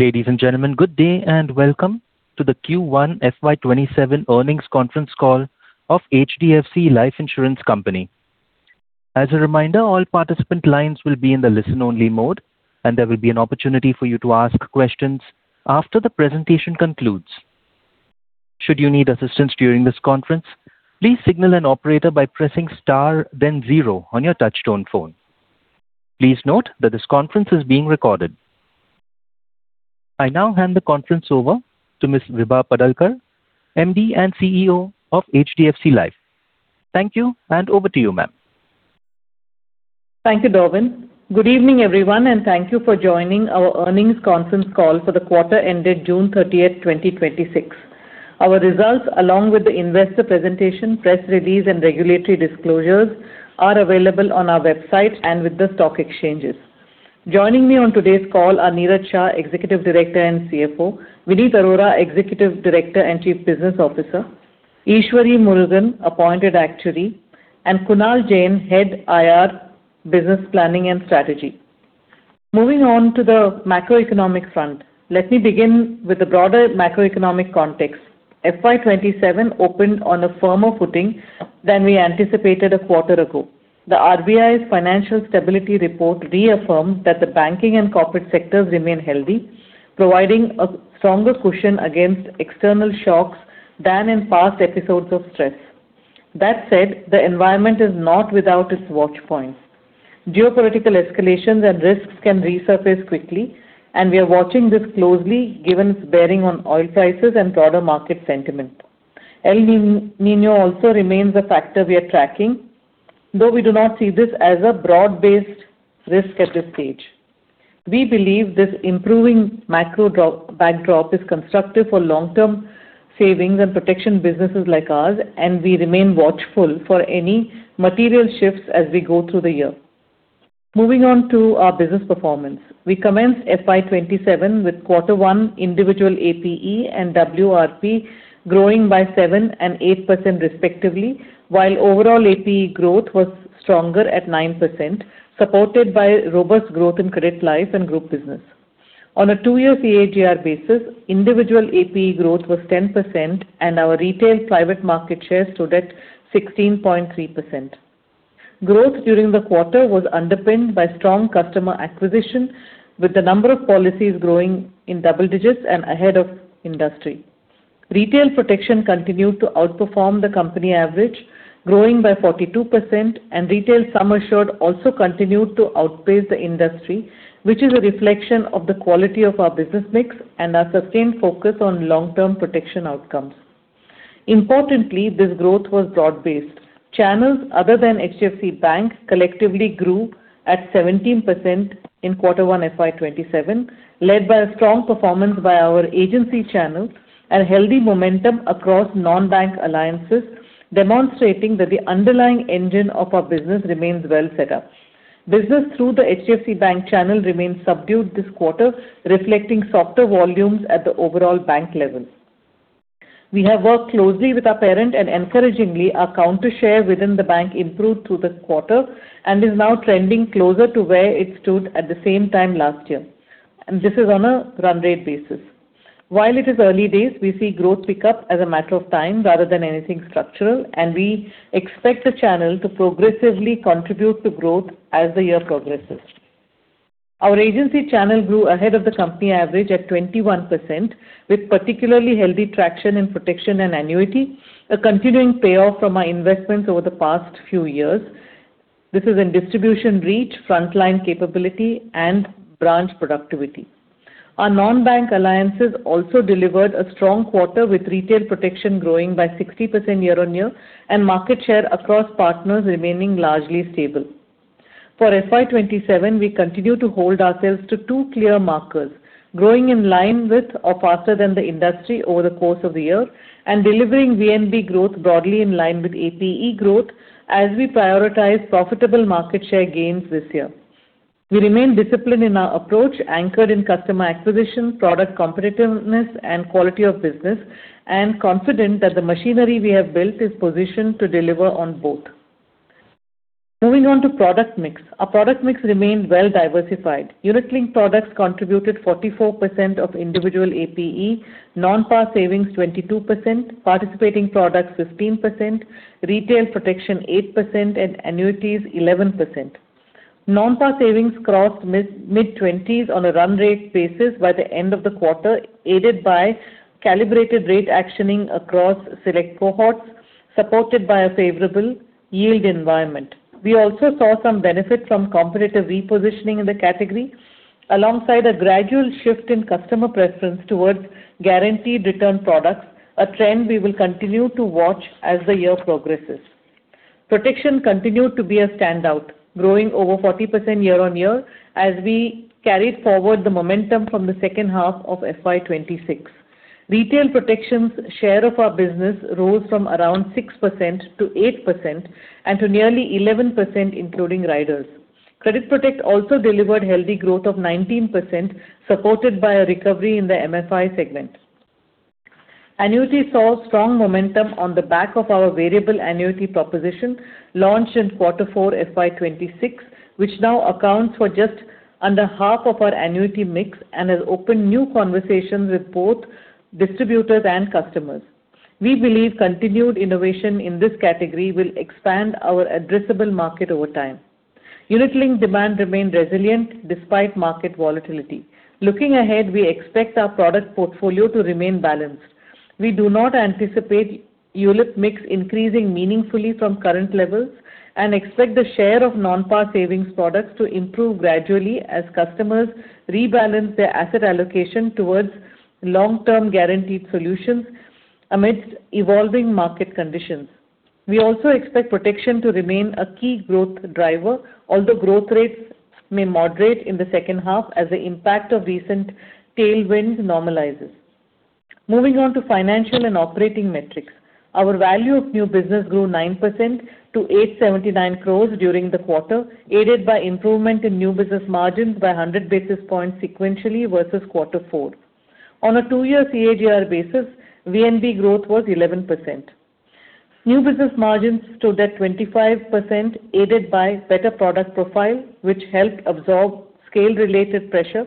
Ladies and gentlemen, good day and welcome to the Q1 FY 2027 earnings conference call of HDFC Life Insurance Company. As a reminder, all participant lines will be in the listen-only mode, and there will be an opportunity for you to ask questions after the presentation concludes. Should you need assistance during this conference, please signal an operator by pressing star then zero on your touch-tone phone. Please note that this conference is being recorded. I now hand the conference over to Ms. Vibha Padalkar, MD and CEO of HDFC Life. Thank you, and over to you, ma'am. Thank you, Darwin. Good evening, everyone, and thank you for joining our earnings conference call for the quarter ended June 30th, 2026. Our results, along with the investor presentation, press release, and regulatory disclosures are available on our website and with the stock exchanges. Joining me on today's call are Niraj Shah, Executive Director and CFO; Vineet Arora, Executive Director and Chief Business Officer; Eshwari Murugan, Appointed Actuary; and Kunal Jain, Head, IR, Business Planning, and Strategy. Moving on to the macroeconomic front. Let me begin with the broader macroeconomic context. FY 2027 opened on a firmer footing than we anticipated a quarter ago. The RBI's Financial Stability Report reaffirmed that the banking and corporate sectors remain healthy, providing a stronger cushion against external shocks than in past episodes of stress. That said, the environment is not without its watch points. Geopolitical escalations and risks can resurface quickly, and we are watching this closely given its bearing on oil prices and broader market sentiment. El Niño also remains a factor we are tracking, though we do not see this as a broad-based risk at this stage. We believe this improving macro backdrop is constructive for long-term savings and protection businesses like ours, and we remain watchful for any material shifts as we go through the year. Moving on to our business performance. We commenced FY 2027 with quarter one individual APE and WRP growing by 7% and 8% respectively, while overall APE growth was stronger at 9%, supported by robust growth in credit life and group business. On a two-year CAGR basis, individual APE growth was 10% and our retail private market share stood at 16.3%. Growth during the quarter was underpinned by strong customer acquisition, with the number of policies growing in double digits and ahead of industry. Retail protection continued to outperform the company average, growing by 42%, and retail sum assured also continued to outpace the industry, which is a reflection of the quality of our business mix and our sustained focus on long-term protection outcomes. Importantly, this growth was broad-based. Channels other than HDFC Bank collectively grew at 17% in quarter one FY 2027, led by a strong performance by our agency channel and healthy momentum across non-bank alliances, demonstrating that the underlying engine of our business remains well set up. Business through the HDFC Bank channel remains subdued this quarter, reflecting softer volumes at the overall bank level. We have worked closely with our parent and encouragingly, our counter share within the bank improved through the quarter and is now trending closer to where it stood at the same time last year, and this is on a run rate basis. While it is early days, we see growth pick up as a matter of time rather than anything structural, and we expect the channel to progressively contribute to growth as the year progresses. Our agency channel grew ahead of the company average at 21%, with particularly healthy traction in protection and annuity, a continuing payoff from our investments over the past few years. This is in distribution reach, frontline capability, and branch productivity. Our non-bank alliances also delivered a strong quarter, with retail protection growing by 60% year-on-year and market share across partners remaining largely stable. For FY 2027, we continue to hold ourselves to two clear markers, growing in line with or faster than the industry over the course of the year and delivering VNB growth broadly in line with APE growth as we prioritize profitable market share gains this year. We remain disciplined in our approach, anchored in customer acquisition, product competitiveness, and quality of business, and confident that the machinery we have built is positioned to deliver on both. Moving on to product mix. Our product mix remained well-diversified. Unit-linked products contributed 44% of individual APE, non-par savings 22%, participating products 15%, retail protection 8%, and annuities 11%. Non-par savings crossed mid-20s on a run rate basis by the end of the quarter, aided by calibrated rate actioning across select cohorts, supported by a favorable yield environment. We also saw some benefit from competitive repositioning in the category, alongside a gradual shift in customer preference towards guaranteed return products, a trend we will continue to watch as the year progresses. Protection continued to be a standout, growing over 40% year-on-year as we carried forward the momentum from the second half of FY 2026. Retail protection's share of our business rose from around 6% to 8% and to nearly 11% including riders. Credit Protect also delivered healthy growth of 19%, supported by a recovery in the MFI segment. Annuity saw strong momentum on the back of our variable annuity proposition launched in quarter four FY 2026, which now accounts for just under half of our annuity mix and has opened new conversations with both distributors and customers. We believe continued innovation in this category will expand our addressable market over time. Unit-linked demand remained resilient despite market volatility. Looking ahead, we expect our product portfolio to remain balanced. We do not anticipate unit mix increasing meaningfully from current levels and expect the share of non-par savings products to improve gradually as customers rebalance their asset allocation towards long-term guaranteed solutions amidst evolving market conditions. We also expect protection to remain a key growth driver, although growth rates may moderate in the second half as the impact of recent tailwinds normalizes. Moving on to financial and operating metrics. Our value of new business grew 9% to 879 crore during the quarter, aided by improvement in new business margins by 100 basis points sequentially versus quarter four. On a two-year CAGR basis, VNB growth was 11%. New business margins stood at 25%, aided by better product profile, which helped absorb scale-related pressure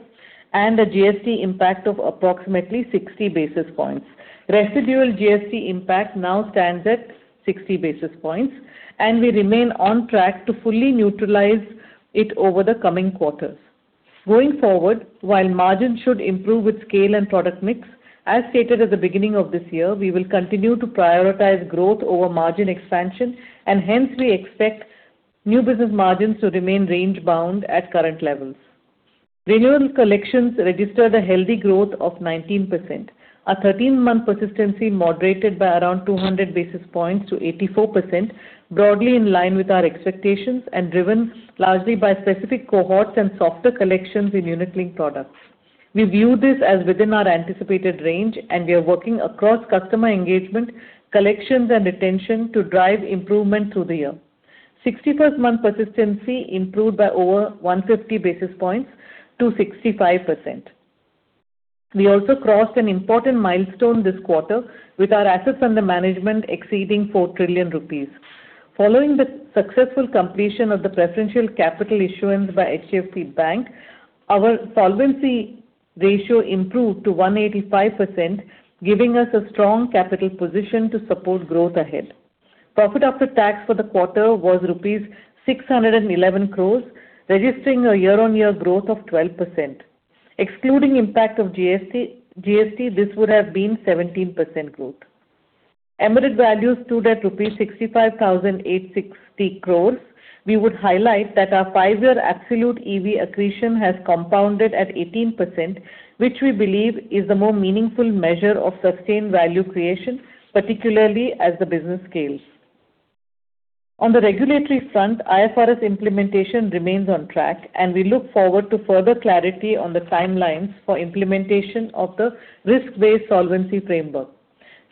and a GST impact of approximately 60 basis points. Residual GST impact now stands at 60 basis points, and we remain on track to fully neutralize it over the coming quarters. Going forward, while margins should improve with scale and product mix, as stated at the beginning of this year, we will continue to prioritize growth over margin expansion, and hence we expect new business margins to remain range-bound at current levels. Renewal collections registered a healthy growth of 19%, a 13-month persistency moderated by around 200 basis points to 84%, broadly in line with our expectations and driven largely by specific cohorts and softer collections in unit-linked products. We view this as within our anticipated range, and we are working across customer engagement, collections, and retention to drive improvement through the year. 61st month persistency improved by over 150 basis points to 65%. We also crossed an important milestone this quarter with our assets under management exceeding 4 trillion rupees. Following the successful completion of the preferential capital issuance by HDFC Bank, our solvency ratio improved to 185%, giving us a strong capital position to support growth ahead. Profit after tax for the quarter was rupees 611 crore, registering a year-on-year growth of 12%. Excluding impact of GST, this would have been 17% growth. Embedded value stood at rupees 65,860 crore. We would highlight that our five-year absolute EV accretion has compounded at 18%, which we believe is the more meaningful measure of sustained value creation, particularly as the business scales. On the regulatory front, IFRS implementation remains on track, and we look forward to further clarity on the timelines for implementation of the risk-based solvency framework.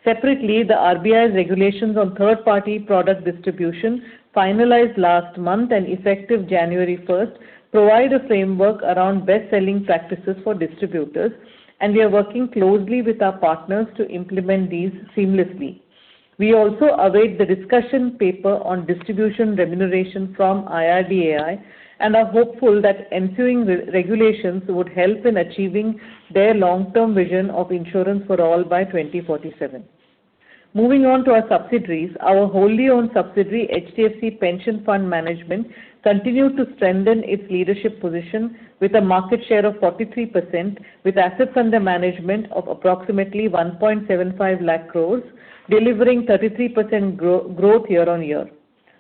Separately, the RBI's regulations on third-party product distribution, finalized last month and effective January 1st, provide a framework around bestselling practices for distributors, and we are working closely with our partners to implement these seamlessly. We also await the discussion paper on distribution remuneration from IRDAI and are hopeful that ensuing regulations would help in achieving their long-term vision of insurance for all by 2047. Moving on to our subsidiaries. Our wholly-owned subsidiary, HDFC Pension Fund Management, continued to strengthen its leadership position with a market share of 43%, with assets under management of approximately 1.75 lakh crore, delivering 33% growth year-on-year.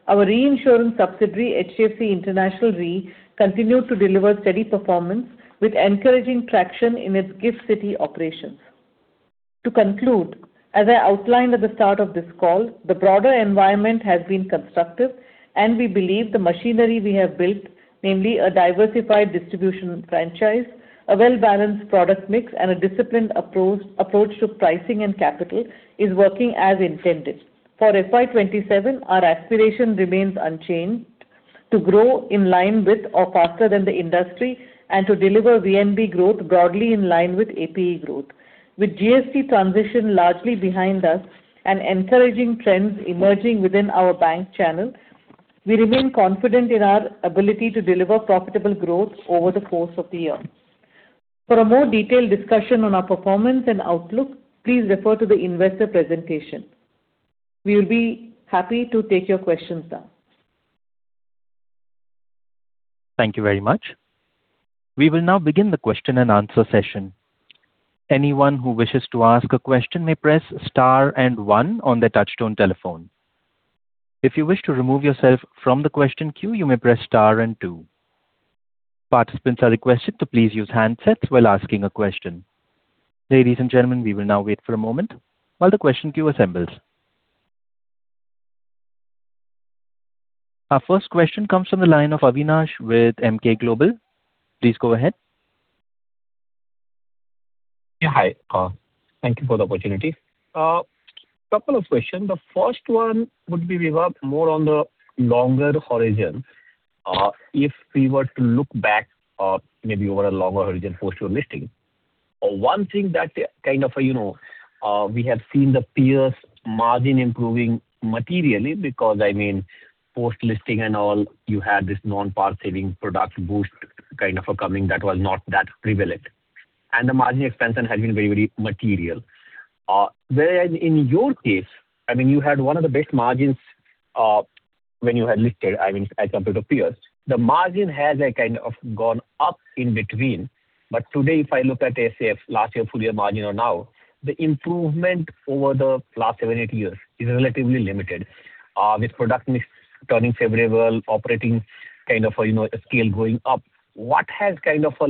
Our reinsurance subsidiary, HDFC International Re, continued to deliver steady performance with encouraging traction in its Gift City operations. To conclude, as I outlined at the start of this call, the broader environment has been constructive, and we believe the machinery we have built, namely a diversified distribution franchise, a well-balanced product mix, and a disciplined approach to pricing and capital, is working as intended. For FY 2027, our aspiration remains unchanged to grow in line with or faster than the industry and to deliver VNB growth broadly in line with APE growth. With GST transition largely behind us and encouraging trends emerging within our bank channel, we remain confident in our ability to deliver profitable growth over the course of the year. For a more detailed discussion on our performance and outlook, please refer to the investor presentation. We will be happy to take your questions now. Thank you very much. We will now begin the question-and-answer session. Anyone who wishes to ask a question may press star and one on their touch-tone telephone. If you wish to remove yourself from the question queue, you may press star and two. Participants are requested to please use handsets while asking a question. Ladies and gentlemen, we will now wait for a moment while the question queue assembles. Our first question comes from the line of Avinash with Emkay Global. Please go ahead. Yeah. Hi. Thank you for the opportunity. Couple of questions. The first one would be more on the longer horizon. If we were to look back, maybe over a longer horizon post your listing, one thing that kind of, you know, we have seen the peers margin improving materially because, I mean, post-listing and all, you had this non-par savings product boost kind of coming that was not that prevalent, and the margin expansion has been very, very material, whereas in your case, I mean, you had one of the best margins when you had listed, as compared to peers, the margin has kind of gone up in between. But today, if I look at last year, full-year margin or now, the improvement over the last seven, eight years is relatively limited. With product mix turning favorable, operating kind of, you know, scale going up, what has kind of put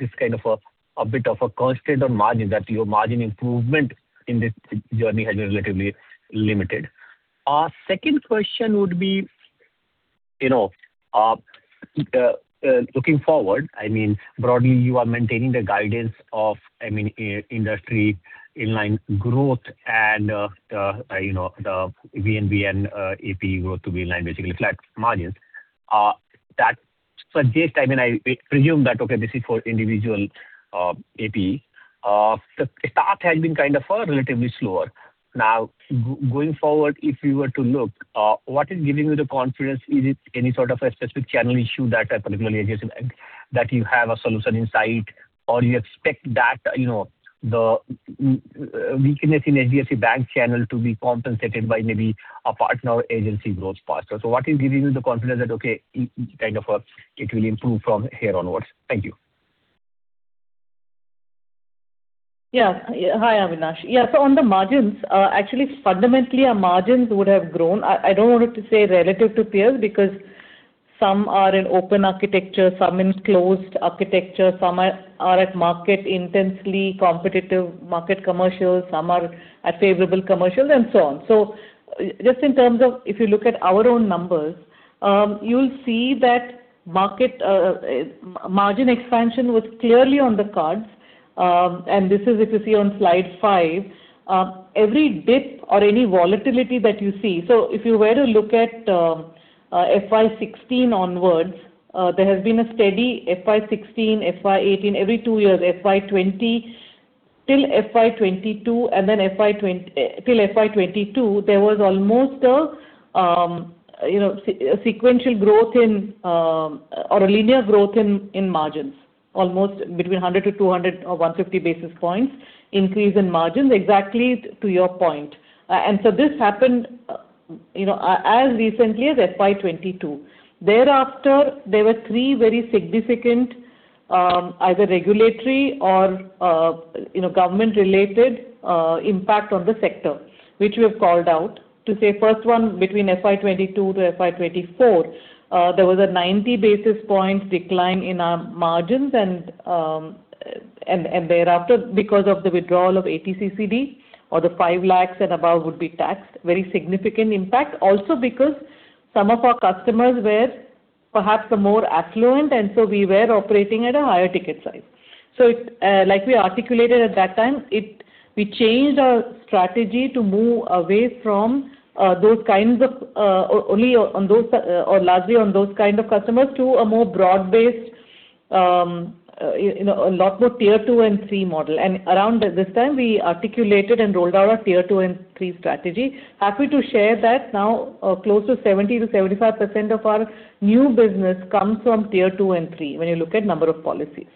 this kind of bit of a constraint on margin that your margin improvement in this journey has been relatively limited? Second question would be, you know, looking forward, I mean, broadly you are maintaining the guidance of, I mean, industry in line growth and the VNB and APE growth to be in line, basically flat margins. That suggests, I mean, I presume that, okay, this is for individual APE. The start has been kind of relatively slower. Now, going forward, if we were to look, what is giving you the confidence? Is it any sort of a specific channel issue that a particular agency that you have a solution in sight, or you expect that the weakness in HDFC Bank channel to be compensated by maybe a partner or agency grows faster? So, what is giving you the confidence that, okay, kind of it will improve from here onwards? Thank you. Yeah. Hi, Avinash. On the margins, actually, fundamentally, our margins would have grown. I don't want to say relative to peers because some are in open architecture, some in closed architecture, some are at market intensely competitive market commercials, some are at favorable commercials, and so on. Just in terms of, if you look at our own numbers, you'll see that margin expansion was clearly on the cards. This is, if you see on slide five, every dip or any volatility that you see, so if you were to look at FY 2016 onwards, there has been a steady FY 2016, FY 2018, every two years, FY 2020, till FY 2022, there was almost a sequential growth or a linear growth in margins, almost between 100-200 or 150 basis points increase in margins, exactly to your point. This happened as recently as FY 2022. Thereafter, there were three very significant, either regulatory or government-related impact on the sector, which we have called out. To say first one, between FY 2022 to FY 2024, there was a 90 basis points decline in our margins and thereafter because of the withdrawal of 80CCD or the 5 lakh and above would be taxed, very significant impact. Also, because some of our customers were perhaps more affluent, and so we were operating at a higher ticket size. So, like we articulated at that time, we changed our strategy to move away from those kinds, only on those or largely on those kinds of customers to a more broad-based, a lot more Tier 2 and 3 model. And around this time, we articulated and rolled out our Tier 2 and 3 strategy. Happy to share that now, close to 70%-75% of our new business comes from Tier 2 and 3, when you look at number of policies.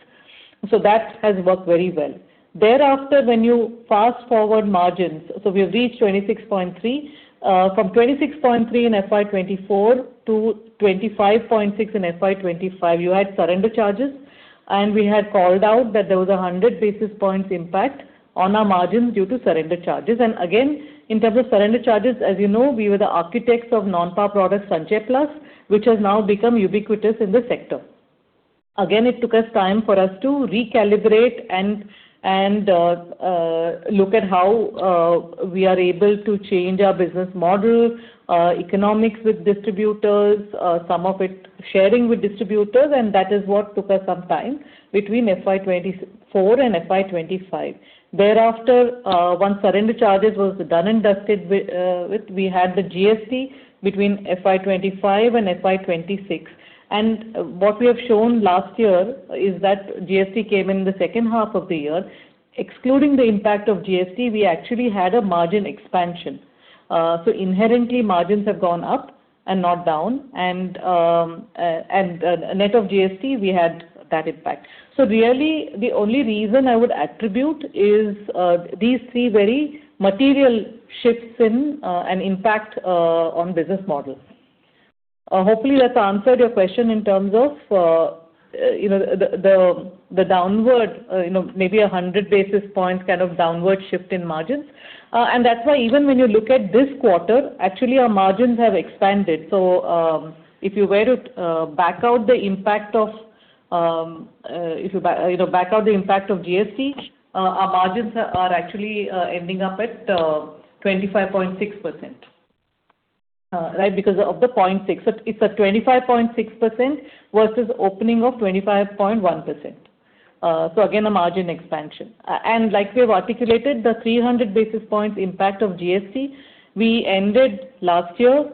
So, that has worked very well. Thereafter, when you fast forward margins, we have reached 26.3%. From 26.3% in FY 2024 to 25.6% in FY 2025, you had surrender charges, and we had called out that there was 100-basis-point impact on our margins due to surrender charges. And again, in terms of surrender charges, as you know, we were the architects of non-par product Sanchay Plus, which has now become ubiquitous in the sector. Again, it took us time for us to recalibrate and look at how we are able to change our business model, economics with distributors, some of it sharing with distributors, and that is what took us some time between FY 2024 and FY 2025. Thereafter, once surrender charges was done and dusted with, we had the GST between FY 2025 and FY 2026. What we have shown last year is that GST came in the second half of the year. Excluding the impact of GST, we actually had a margin expansion. Inherently, margins have gone up and not down, and net of GST, we had that impact. So, really, the only reason I would attribute is these three very material shifts in and impact on business model. Hopefully, that's answered your question in terms of the downward, maybe 100 basis points kind of downward shift in margins. That's why even when you look at this quarter, actually, our margins have expanded. If you were to back out the impact of GST, our margins are actually ending up at 25.6%. Right, because of the 0.6, so it's a 25.6% versus opening of 25.1%. So, again, a margin expansion. And like we have articulated, the 300-basis-point impact of GST, we ended last year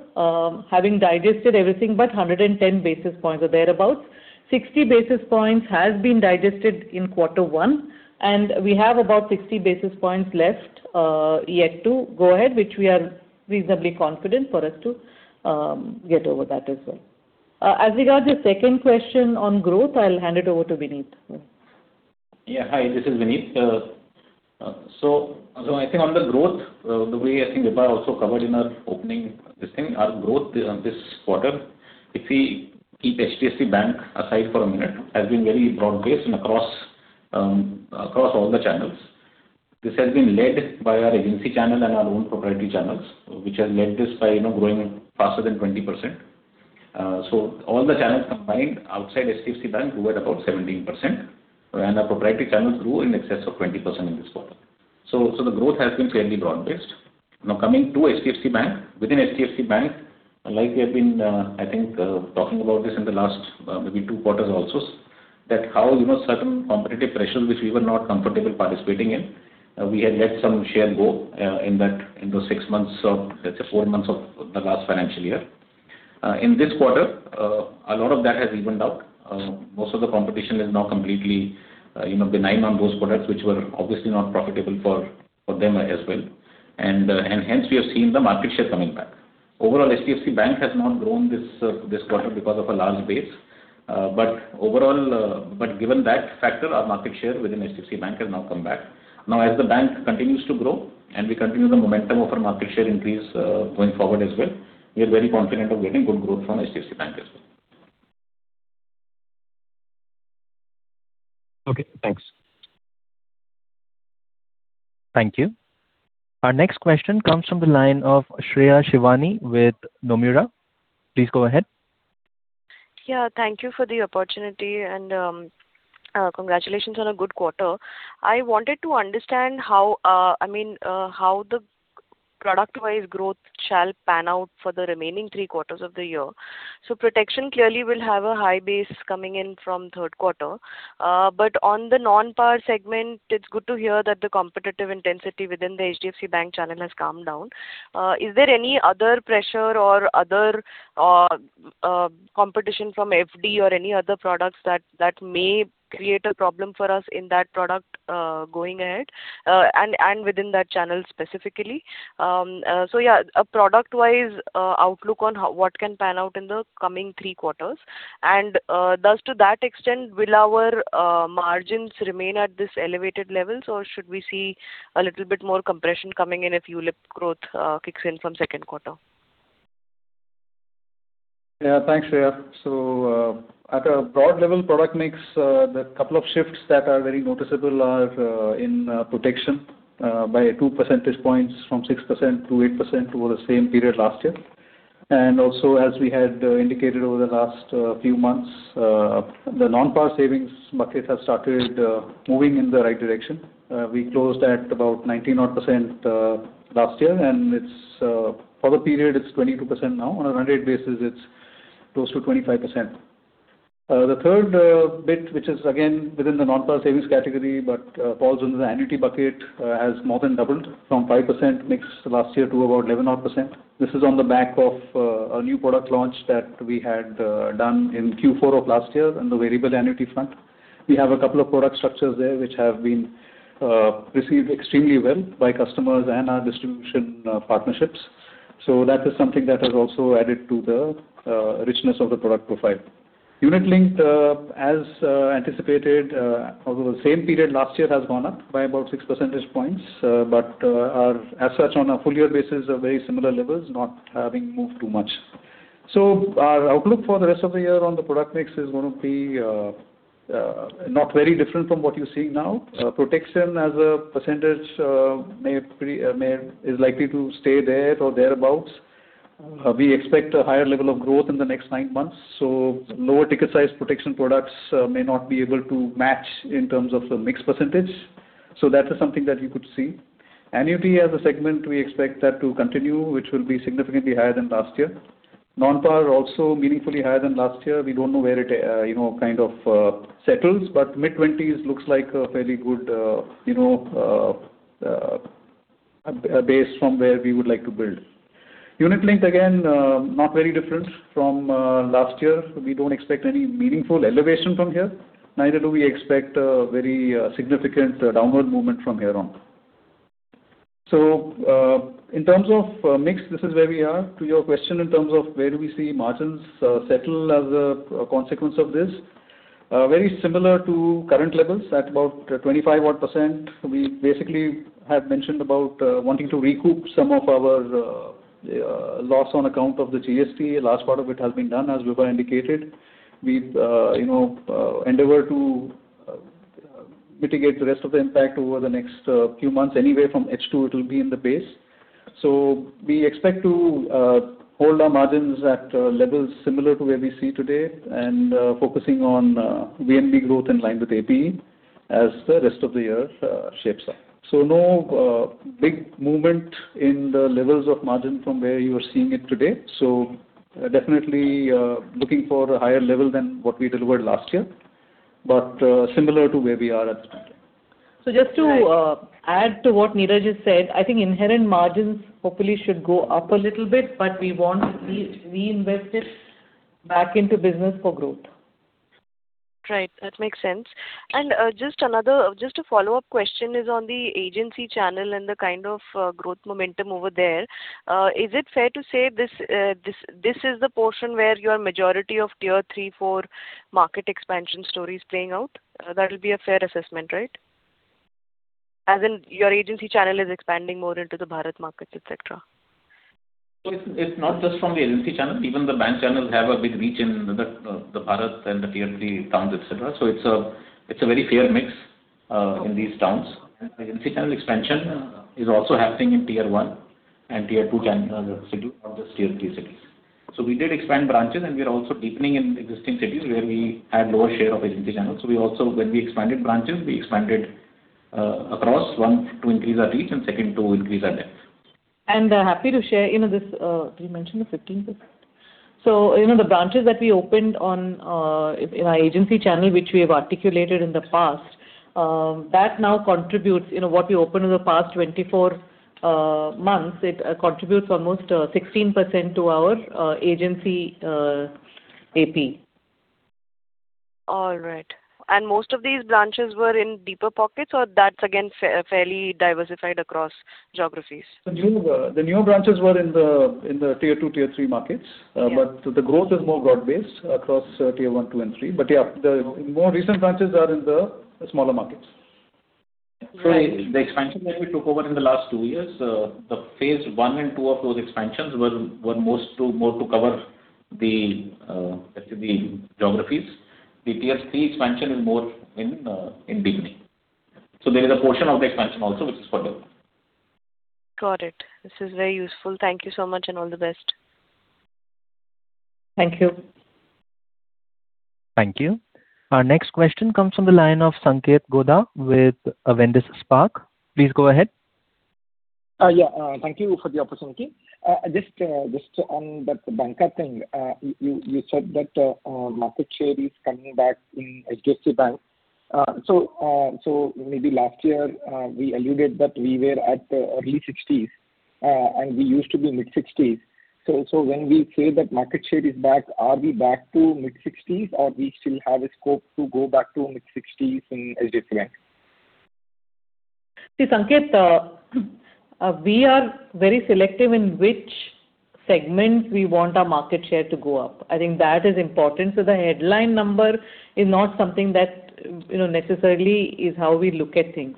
having digested everything but 110 basis points or thereabout. 60 basis points has been digested in quarter one, and we have about 60 basis points left yet to go ahead, which we are reasonably confident for us to get over that as well. As regards your second question on growth, I'll hand it over to Vineet. Yeah. Hi, this is Vineet. I think on the growth, the way I think, Vibha also covered in our opening this thing, our growth this quarter, if we keep HDFC Bank aside for a minute, has been very broad-based and across all the channels. This has been led by our agency channel and our own proprietary channels, which has led this by growing faster than 20%. All the channels combined outside HDFC Bank grew at about 17%, and our proprietary channels grew in excess of 20% in this quarter. So, the growth has been fairly broad-based. Now, coming to HDFC Bank. Within HDFC Bank, like we have been, I think, talking about this in the last maybe two quarters or so, that how certain competitive pressures which we were not comfortable participating in, we had let some share go in those six months of, four months of the last financial year. In this quarter, a lot of that has evened out. Most of the competition is now completely benign on those products, which were obviously not profitable for them as well. Hence, we have seen the market share coming back. Overall, HDFC Bank has not grown this quarter because of a large base. But overall, but given that factor, our market share within HDFC Bank has now come back. Now, as the bank continues to grow and we continue the momentum of our market share increase going forward as well, we are very confident of getting good growth from HDFC Bank as well. Okay, thanks. Thank you. Our next question comes from the line of Shreya Shivani with Nomura. Please go ahead. Yeah. Thank you for the opportunity and congratulations on a good quarter. I wanted to understand how the product-wise growth shall pan out for the remaining three quarters of the year. So, protection clearly will have a high base coming in from third quarter, but on the non-par segment, it's good to hear that the competitive intensity within the HDFC Bank channel has come down. Is there any other pressure or other competition from FD or any other products that may create a problem for us in that product going ahead and within that channel specifically? So, yeah, a product-wise outlook on what can pan out in the coming three quarters. Thus, to that extent, will our margins remain at these elevated levels or should we see a little bit more compression coming in if ULIP growth kicks in from second quarter? Yeah, thanks, Shreya. At a broad level, product mix, the couple of shifts that are very noticeable are in protection by 2 percentage points from 6% to 8% over the same period last year. Also, as we had indicated over the last few months, the non-par savings bucket has started moving in the right direction. We closed at about 19-odd% last year and for the period, it's 22% now. On a run rate basis, it's close to 25%. The third bit, which is, again, within the non-par savings category but falls into the annuity bucket, has more than doubled from 5% mix last year to about 11-odd%. This is on the back of a new product launch that we had done in Q4 of last year on the variable annuity front. We have a couple of product structures there which have been received extremely well by customers and our distribution partnerships. That is something that has also added to the richness of the product profile. Unit-linked, as anticipated over the same period last year, has gone up by about 6 percentage points. As such on a full-year basis, are very similar levels, not having moved too much. So, our outlook for the rest of the year on the product mix is going to be not very different from what you're seeing now. Protection as a percentage is likely to stay there or thereabout. We expect a higher level of growth in the next nine months, so lower ticket size protection products may not be able to match in terms of the mix percentage. That is something that you could see. Annuity as a segment, we expect that to continue, which will be significantly higher than last year. Non-par also meaningfully higher than last year. We don't know where it kind of settles, but mid-20s looks like a fairly good base from where we would like to build. Unit-linked, again, not very different from last year. We don't expect any meaningful elevation from here, neither do we expect a very significant downward movement from here on. In terms of mix, this is where we are. To your question in terms of where do we see margins settle as a consequence of this, very similar to current levels at about 25-odd%. We basically have mentioned about wanting to recoup some of our loss on account of the GST. Last part of it has been done, as Vibha indicated. We endeavor to mitigate the rest of the impact over the next few months. Anyway, from H2, it will be in the base. We expect to hold our margins at levels similar to where we see today and focusing on VNB growth in line with APE as the rest of the year shapes up. So, no big movement in the levels of margin from where you are seeing it today, so definitely looking for a higher level than what we delivered last year, but similar to where we are at this point in time. Just to add to what Niraj has said, I think inherent margins hopefully should go up a little bit, but we want to reinvest it back into business for growth. Right. That makes sense. Just a follow-up question is on the agency channel and the kind of growth momentum over there. Is it fair to say this is the portion where your majority of Tier 3, 4 market expansion story is playing out? That'll be a fair assessment, right? As in your agency channel is expanding more into the Bharat market, et cetera. It's not just from the agency channel. Even the bank channels have a big reach in the Bharat and the Tier 3 towns, et cetera, so it's a very fair mix in these towns. Agency channel expansion is also happening in Tier 1 and Tier 2 cities, not just Tier 3 cities. We did expand branches, and we are also deepening in existing cities where we had lower share of agency channels. When we expanded branches, we expanded across one, to increase our reach, and second, to increase our depth. And happy to share, did we mention the 15%? The branches that we opened in our agency channel, which we have articulated in the past, that now contributes, you know, what we opened in the past 24 months, it contributes almost 16% to our agency APE. All right. And most of these branches were in deeper pockets or that's, again, fairly diversified across geographies? The newer branches were in the Tier 2, Tier 3 markets. Yeah. But the growth is more broad-based across Tier 1, 2, and 3. But yeah, the more recent branches are in the smaller markets. The expansion that we took over in the last two years, the phase one and two of those expansions were more to cover the geographies. The Tier 3 expansion is more in deepening. So, there is a portion of the expansion also, which is for depth. Got it. This is very useful. Thank you so much and all the best. Thank you. Thank you. Our next question comes from the line of Sanketh Godha with Avendus Spark. Please go ahead. Yeah. Thank you for the opportunity. Just on that banker thing, you said that market share is coming back in HDFC Bank. Maybe last year, we alluded that we were at early 60s, and we used to be mid-60s. So, when we say that market share is back, are we back to mid-60s or we still have a scope to go back to mid-60s in HDFC Bank? See, Sanketh, we are very selective in which segment we want our market share to go up. I think that is important. The headline number is not something that necessarily is how we look at things.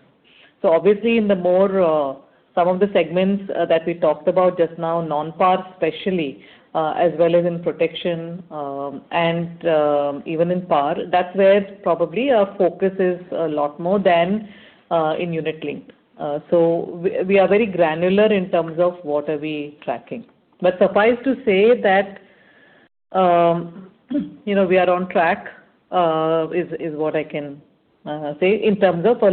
Obviously, in some of the segments that we talked about just now, non-par especially, as well as in protection and even in par, that's where probably our focus is a lot more than in unit-linked. We are very granular in terms of what are we tracking. But suffice to say that we are on track is what I can say in terms of a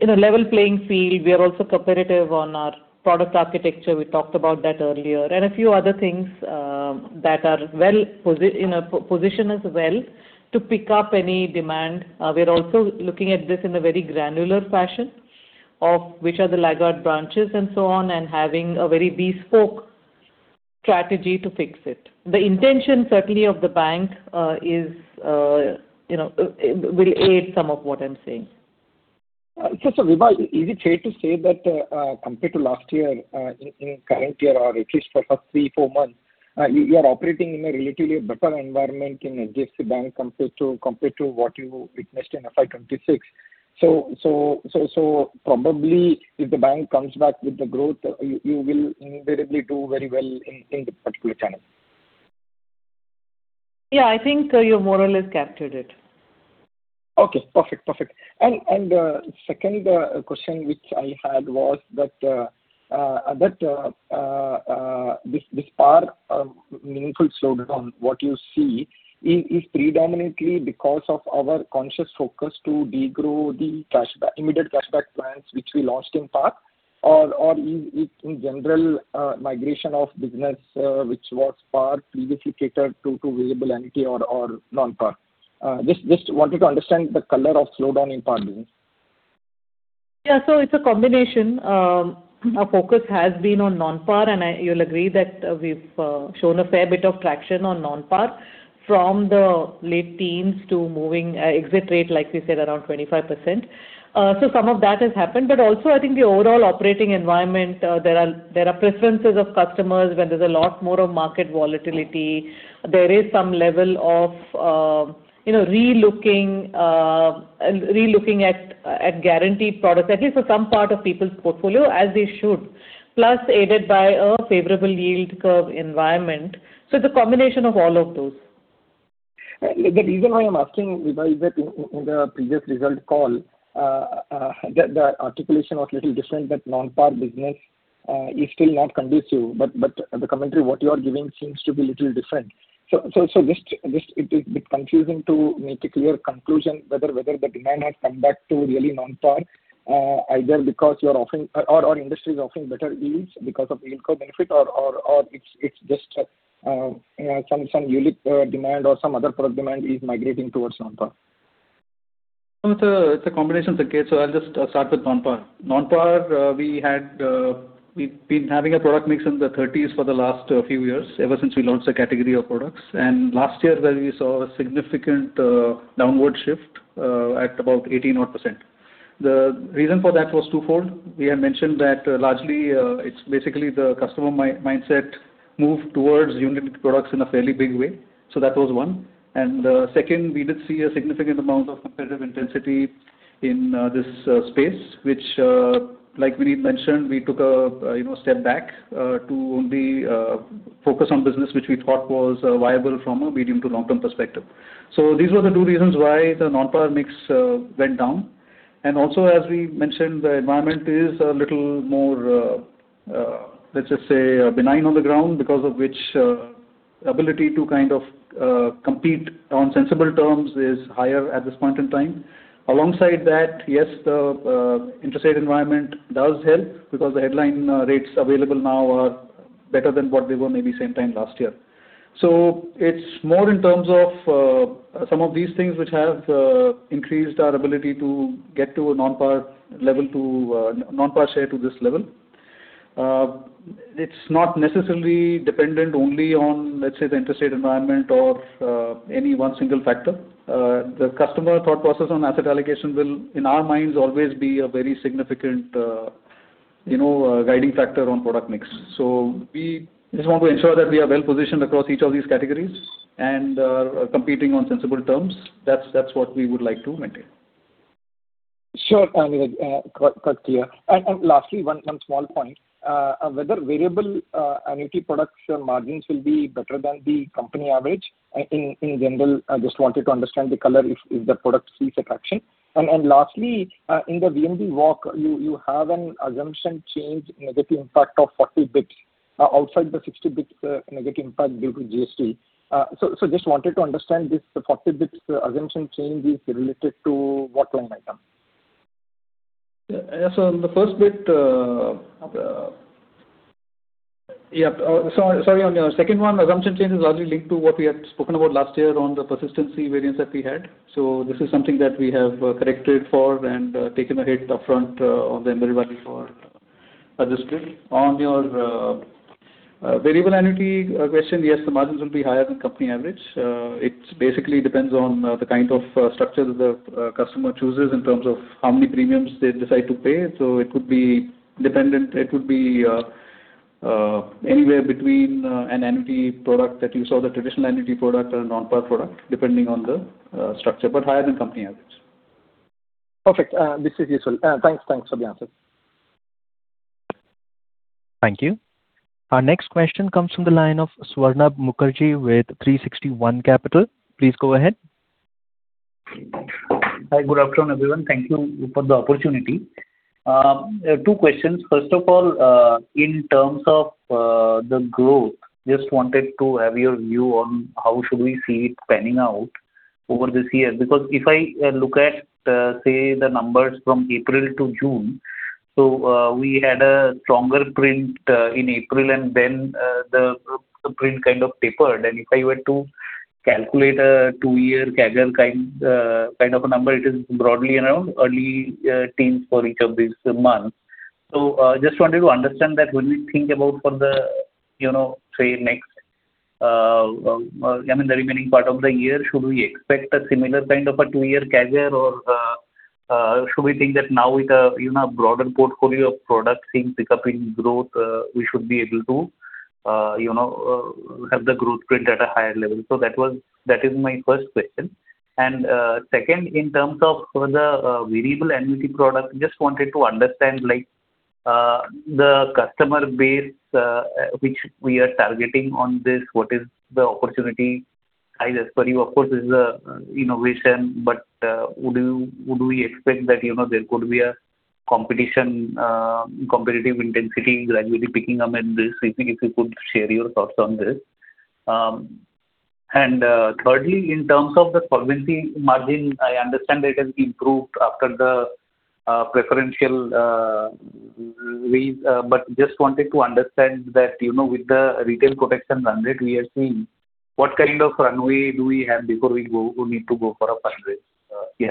level playing field. We are also competitive on our product architecture, we talked about that earlier, and a few other things that position us well to pick up any demand. We're also looking at this in a very granular fashion of which are the laggard branches and so on and having a very bespoke strategy to fix it. The intention certainly of the bank will aid some of what I'm saying. So, Vibha, is it fair to say that compared to last year, in current year or at least for first three, four months, you are operating in a relatively better environment in HDFC Bank compared to what you witnessed in FY 2026? So, probably, if the bank comes back with the growth, you will invariably do very well in this particular channel? Yeah, I think you more or less captured it. Okay. Perfect. Second question which I had was that this par meaningful slowdown, what you see is predominantly because of our conscious focus to de-grow the immediate cashback plans which we launched in par or is it in general migration of business which was par previously catered to variable annuity or non-par? Just wanted to understand the color of slowdown in par business. Yeah. So, it's a combination. Our focus has been on non-par, and you'll agree that we've shown a fair bit of traction on non-par from the late teens to moving exit rate, like we said, around 25%. Some of that has happened, but also, I think the overall operating environment, there are preferences of customers when there's a lot more of market volatility. There is some level of re-looking at guaranteed products, at least for some part of people's portfolio, as they should, plus aided by a favorable yield curve environment. So, it's a combination of all of those. The reason why I'm asking, Vibha, is that in the previous result call, the articulation was little different that non-par business is still not convinced you, but the commentary what you are giving seems to be little different. It is bit confusing to make a clear conclusion whether the demand has come back to really non-par either because your offering or industry is offering better yields because of yield curve benefit or it's just some ULIP demand or some other product demand is migrating towards non-par. It's a combination, Sanketh. So, I'll just start with non-par. Non-par, we've been having a product mix in the 30s for the last few years, ever since we launched a category of products, and last year, where we saw a significant downward shift at about 18-odd%. The reason for that was twofold. We had mentioned that largely, it's basically the customer mindset moved towards ULIP products in a fairly big way. That was one. Second, we did see a significant amount of competitive intensity in this space, which, like Vineet mentioned, we took a step back to only focus on business, which we thought was viable from a medium to long-term perspective. These were the two reasons why the non-par mix went down. Also, as we mentioned, the environment is a little more, let's just say, benign on the ground because of which ability to kind of compete on sensible terms is higher at this point in time. Alongside that, yes, the interest rate environment does help because the headline rates available now are better than what they were maybe same time last year. It's more in terms of some of these things which have increased our ability to get to a non-par share to this level. It's not necessarily dependent only on, let's say, the interest rate environment or any one single factor. The customer thought process on asset allocation will, in our minds, always be a very significant guiding factor on product mix. We just want to ensure that we are well-positioned across each of these categories and are competing on sensible terms. That's what we would like to maintain. Sure. Cut clear. Lastly, one small point, whether variable annuity products margins will be better than the company average in general? I just wanted to understand the color if the product sees attraction. Lastly, in the VNB walk, you have an assumption change negative impact of 40 basis points outside the 60 basis points negative impact due to GST. Just wanted to understand this 40-basis-point assumption change is related to what line item? Yeah. So, on the first bit, yeah, sorry, on your second one, assumption change is largely linked to what we had spoken about last year on the persistency variance that we had. This is something that we have corrected for and taken a hit upfront on the embedded value for adjustment. On your variable annuity question, yes, the margins will be higher than company average. It basically depends on the kind of structure that the customer chooses in terms of how many premiums they decide to pay. It could be anywhere between an annuity product that you saw, the traditional annuity product or a non-par product, depending on the structure, but higher than company average. Perfect. This is useful. Thanks for the answer. Thank you. Our next question comes from the line of Swarnabha Mukherjee with 360 ONE Capital. Please go ahead. Hi. Good afternoon, everyone. Thank you for the opportunity. Two questions. First of all, in terms of the growth, just wanted to have your view on how should we see it panning out over this year. Because if I look at, say, the numbers from April to June, we had a stronger print in April and then the print kind of tapered. If I were to calculate a two-year CAGR kind of a number, it is broadly around early teens for each of these months. Just wanted to understand that when we think about for the remaining part of the year, should we expect a similar kind of a two-year CAGR or should we think that now with a broader portfolio of products seeing pickup in growth, we should be able to have the growth print at a higher level? That is my first question. Second, in terms of for the variable annuity product, just wanted to understand, like, the customer base which we are targeting on this, what is the opportunity size for you? Of course, this is an innovation, but would we expect that there could be a competitive intensity gradually picking up in this? If you could share your thoughts on this. Thirdly, in terms of the solvency margin, I understand it has improved after the preferential raise, but just wanted to understand that with the retail protection run rate we are seeing, what kind of runway do we have before we need to go for a fund raise?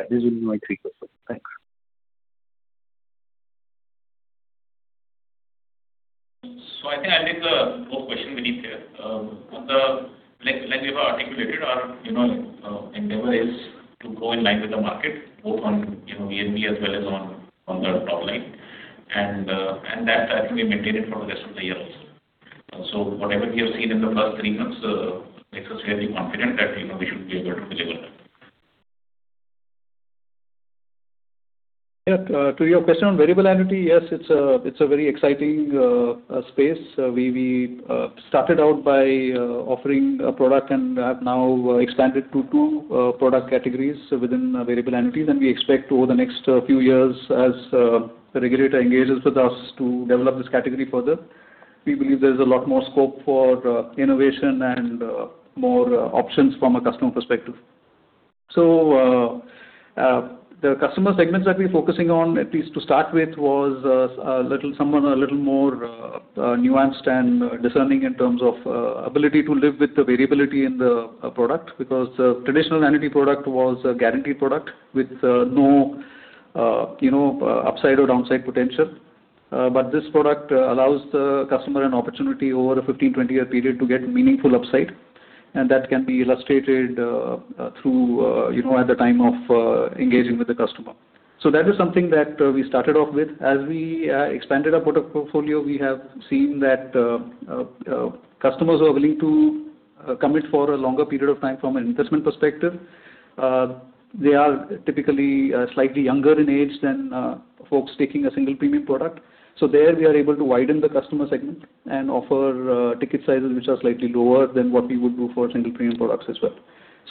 These will be my three questions. Thanks. I think I'll take the first question, Vineet here. Like we have articulated, our endeavor is to go in line with the market, both on VNB as well as on the top line and that, I think, we maintain it for the rest of the year also. Whatever we have seen in the first three months makes us fairly confident that we should be able to deliver that. To your question on variable annuity, yes, it's a very exciting space. We started out by offering a product and have now expanded to two product categories within variable annuities and we expect over the next few years as the regulator engages with us to develop this category further. We believe there's a lot more scope for innovation and more options from a customer perspective. The customer segments that we're focusing on, at least to start with, was someone a little more nuanced and discerning in terms of ability to live with the variability in the product because the traditional annuity product was a guaranteed product with no upside or downside potential. But this product allows the customer an opportunity over a 15, 20-year period to get meaningful upside, and that can be illustrated through at the time of engaging with the customer. That is something that we started off with. As we expanded our product portfolio, we have seen that customers are willing to commit for a longer period of time from an investment perspective. They are typically slightly younger in age than folks taking a single premium product. So, there, we are able to widen the customer segment and offer ticket sizes which are slightly lower than what we would do for single premium products as well.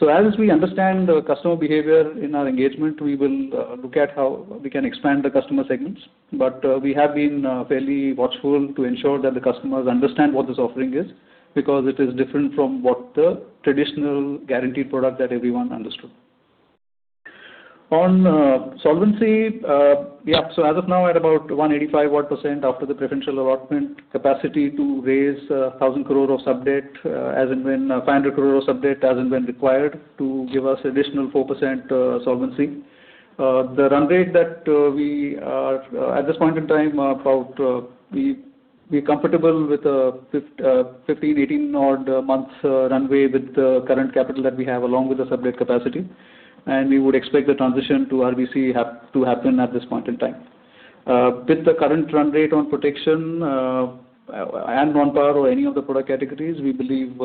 As we understand the customer behavior in our engagement, we will look at how we can expand the customer segments, but we have been fairly watchful to ensure that the customers understand what this offering is because it is different from what the traditional guaranteed product that everyone understood. On solvency, as of now, we are at about 185-odd% after the preferential allotment capacity to raise 1,000 crore of sub-debt, as and when 500 crore of sub-debt as and when required to give us additional 4% solvency. The run rate that we are at this point in time, we are comfortable with a 15, 18-odd months runway with the current capital that we have along with the sub-debt capacity. We would expect the transition to RBC to happen at this point in time. With the current run rate on protection and non-par or any of the product categories, we believe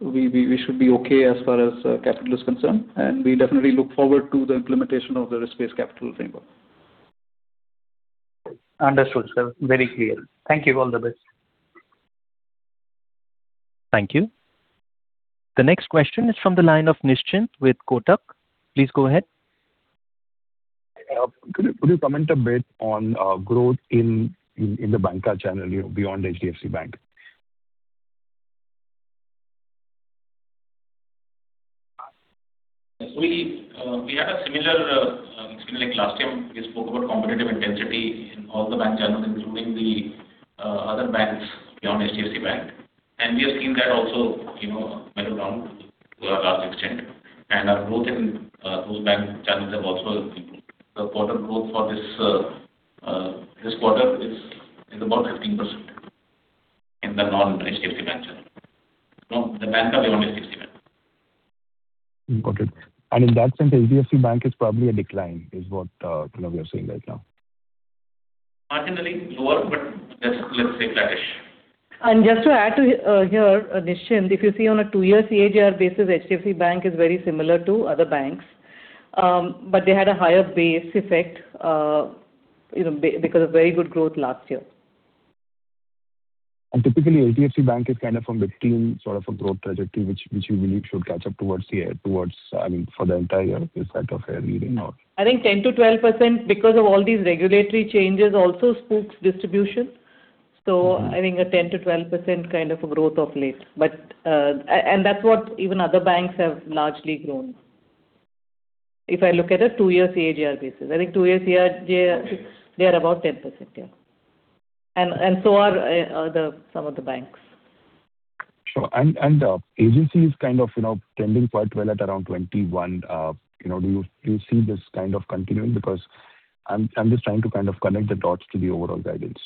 we should be okay as far as capital is concerned, and we definitely look forward to the implementation of the risk-based capital framework. Understood, sir. Very clear. Thank you. All the best. Thank you. The next question is from the line of Nischint with Kotak. Please go ahead. Could you comment a bit on growth in the banker channel beyond HDFC Bank? We had a similar experience last year. We spoke about competitive intensity in all the bank channels, including the other banks beyond HDFC Bank, and we have seen that also mellow down to a large extent, and our growth in those bank channels have also improved. The quarter growth for this quarter is about 15% in the non-HDFC Bank channel. No, the banker beyond HDFC Bank. Got it. In that sense, HDFC Bank is probably a decline is what we are seeing right now. Marginally lower, but let's say flattish. Just to add to here, Nischint, if you see on a two-year CAGR basis, HDFC Bank is very similar to other banks, but they had a higher base effect because of very good growth last year. Typically, HDFC Bank is from between sort of a growth trajectory, which you believe should catch up towards for the entire year, is that your reading or? I think 10%-12% because of all these regulatory changes. Also, spooks distribution. So, I think a 10%-12% kind of a growth of late. That's what even other banks have largely grown. If I look at a two-year CAGR basis, I think two-year CAGR, they are about 10%, yeah. And so are some of the banks. Sure. And agency is kind of trending quite well at around 21%. Do you see this kind of continuing? Because I'm just trying to connect the dots to the overall guidance.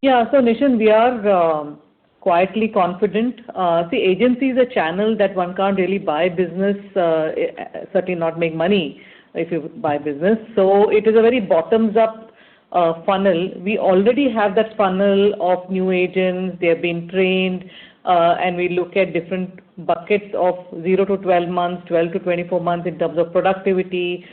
Yeah. So, Nischint, we are quietly confident. See, agency is a channel that one can't really buy business, certainly not make money if you buy business, so it is a very bottoms-up funnel. We already have that funnel of new agents. They have been trained, and we look at different buckets of 0-12 months, 12-24 months in terms of productivity,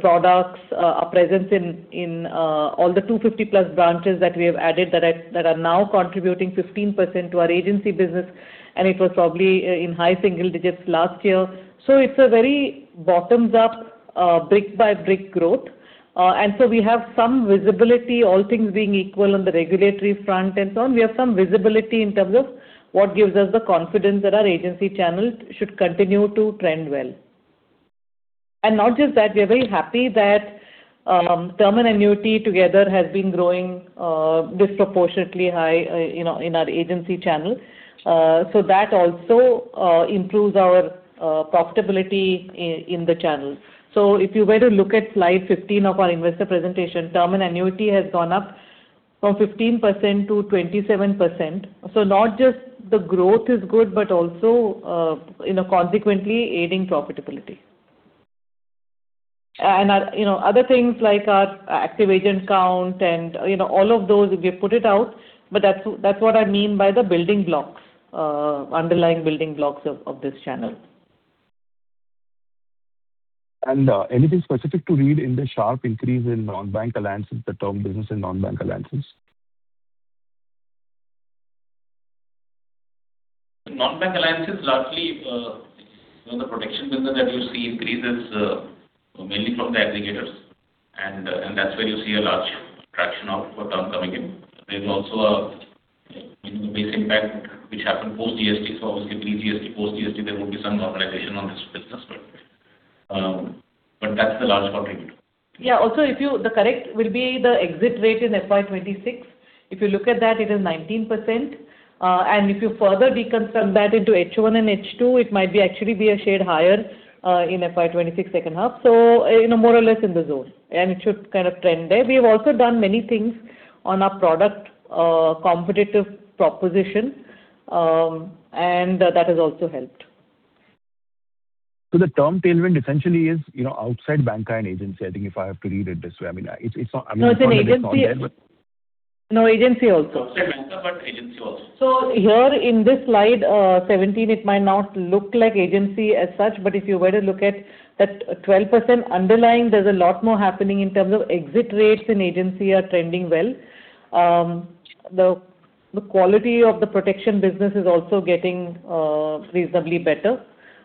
products, our presence in all the 250+ branches that we have added that are now contributing 15% to our agency business. It was probably in high single digits last year. It's a very bottoms-up, brick by brick growth. We have some visibility, all things being equal on the regulatory front and so on. We have some visibility in terms of what gives us the confidence that our agency channel should continue to trend well. And not just that, we are very happy that term and annuity together has been growing disproportionately high in our agency channel. That also improves our profitability in the channel. If you were to look at slide 15 of our investor presentation, term and annuity has gone up from 15% to 27%. So, not just the growth is good, but also consequently aiding profitability. Other things like our active agent count and all of those, we have put it out, but that's what I mean by the building blocks, underlying building blocks of this channel. Anything specific to read in the sharp increase in non-bank alliances, the term business in non-bank alliances? Non-bank alliances, largely, the protection business that you see increases mainly from the aggregators, and that's where you see a large traction of term coming in. There's also a base impact which happened post-GST. Obviously, pre-GST, post-GST, there will be some normalization on this business. That's the large contributor. Also, the correct will be the exit rate in FY 2026. If you look at that, it is 19%. If you further deconstruct that into H1 and H2, it might actually be a shade higher in FY 2026 second half. So, more or less in the zone, and it should kind of trend there. We have also done many things on our product competitive proposition, and that has also helped. So, the term tailwind essentially is outside banca and agency, I think, if I have to read it this way. No, it's an agency. I mean. No, agency also. Outside banca, but agency also. Here in this slide 17, it might not look like agency as such, but if you were to look at that 12% underlying, there's a lot more happening in terms of exit rates and agency are trending well. The quality of the protection business is also getting reasonably better.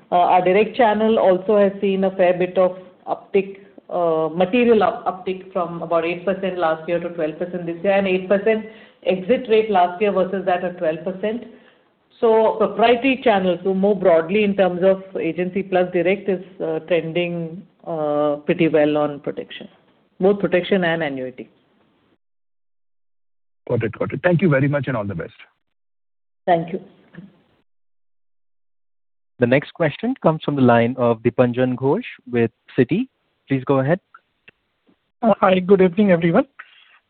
Our direct channel also has seen a fair bit of uptick, material uptick from about 8% last year to 12% this year, and 8% exit rate last year versus that of 12%. So, propriety channels, more broadly in terms of agency plus direct is trending pretty well on protection. Both protection and annuity. Got it. Thank you very much, and all the best. Thank you. The next question comes from the line of Dipanjan Ghosh with Citi. Please go ahead. Hi. Good evening, everyone.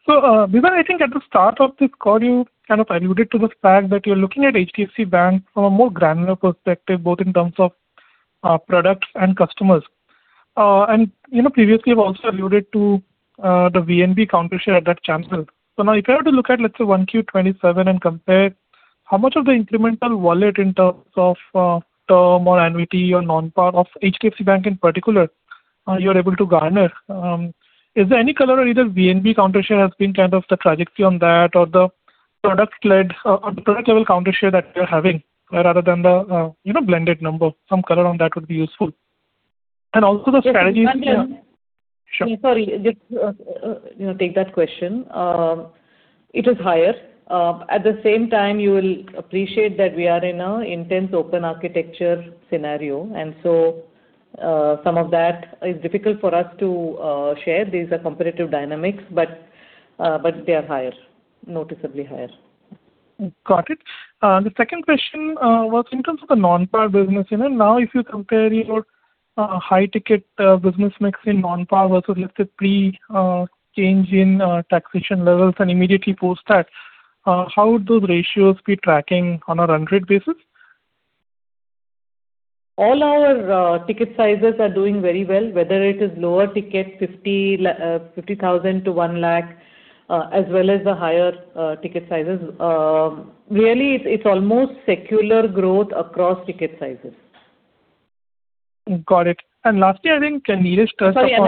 Vibha, I think at the start of this call, you kind of alluded to this fact that you're looking at HDFC Bank from a more granular perspective, both in terms of products and customers. Previously, you've also alluded to the VNB counter share at that channel. Now, if you were to look at, let's say, 1Q 2027 and compare how much of the incremental wallet in terms of term or annuity or non-par of HDFC Bank in particular you're able to garner, is there any color on either VNB counter share has been kind of the trajectory on that or the product level counter share that you're having rather than the blended number? Some color on that would be useful. And also. Yes. Sorry. Just take that question. It is higher. At the same time, you will appreciate that we are in an intense open architecture scenario, and so, some of that is difficult for us to share. These are competitive dynamics, but they are higher, noticeably higher. Got it. The second question was in terms of the non-par business. Now, if you compare your high-ticket business mix in non-par versus, let's say, pre-change in taxation levels and immediately post that, how would those ratios be tracking on a run rate basis? All our ticket sizes are doing very well, whether it is lower ticket, 50,000-100,000, as well as the higher ticket sizes. Really, it's almost secular growth across ticket sizes. Got it. And last. Sorry, I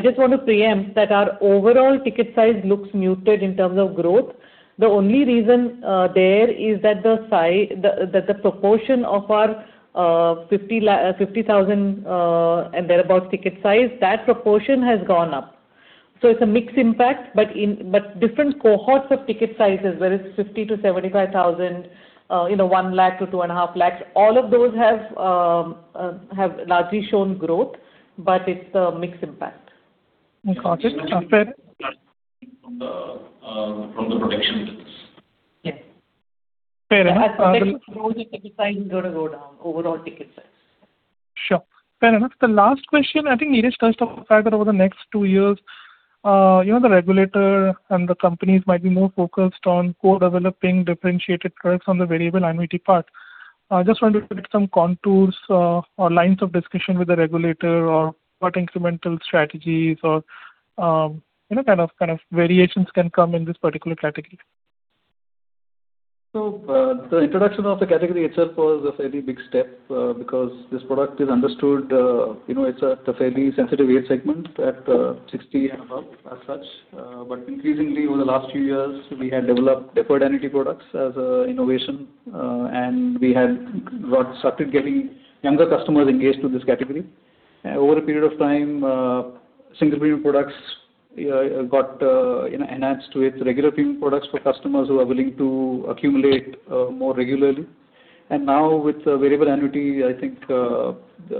just want to preempt that our overall ticket size looks muted in terms of growth. The only reason there is that the proportion of our 50,000 and thereabout ticket size, that proportion has gone up. It's a mixed impact, but different cohorts of ticket sizes, whether it's 50,000-75,000, 100,000-250,000, all of those have largely shown growth, but it's a mixed impact. Got it. Fair. From the protection business. Yes. Fair enough. As protection grows, the ticket size is going to go down, overall ticket size. Sure. Fair enough. The last question, I think Niraj touched on the fact that over the next two years, even the regulator and the companies might be more focused on co-developing differentiated products on the variable annuity part. I just wanted to get some contours or lines of discussion with the regulator on what incremental strategies or what kind of variations can come in this particular category. The introduction of the category itself was a fairly big step because this product is understood. It is at a fairly sensitive age segment, at 60 and above as such. Increasingly, over the last few years, we had developed deferred annuity products as an innovation, and we had started getting younger customers engaged to this category. Over a period of time, single premium products got enhanced with regular premium products for customers who are willing to accumulate more regularly. Now, with variable annuity, I think the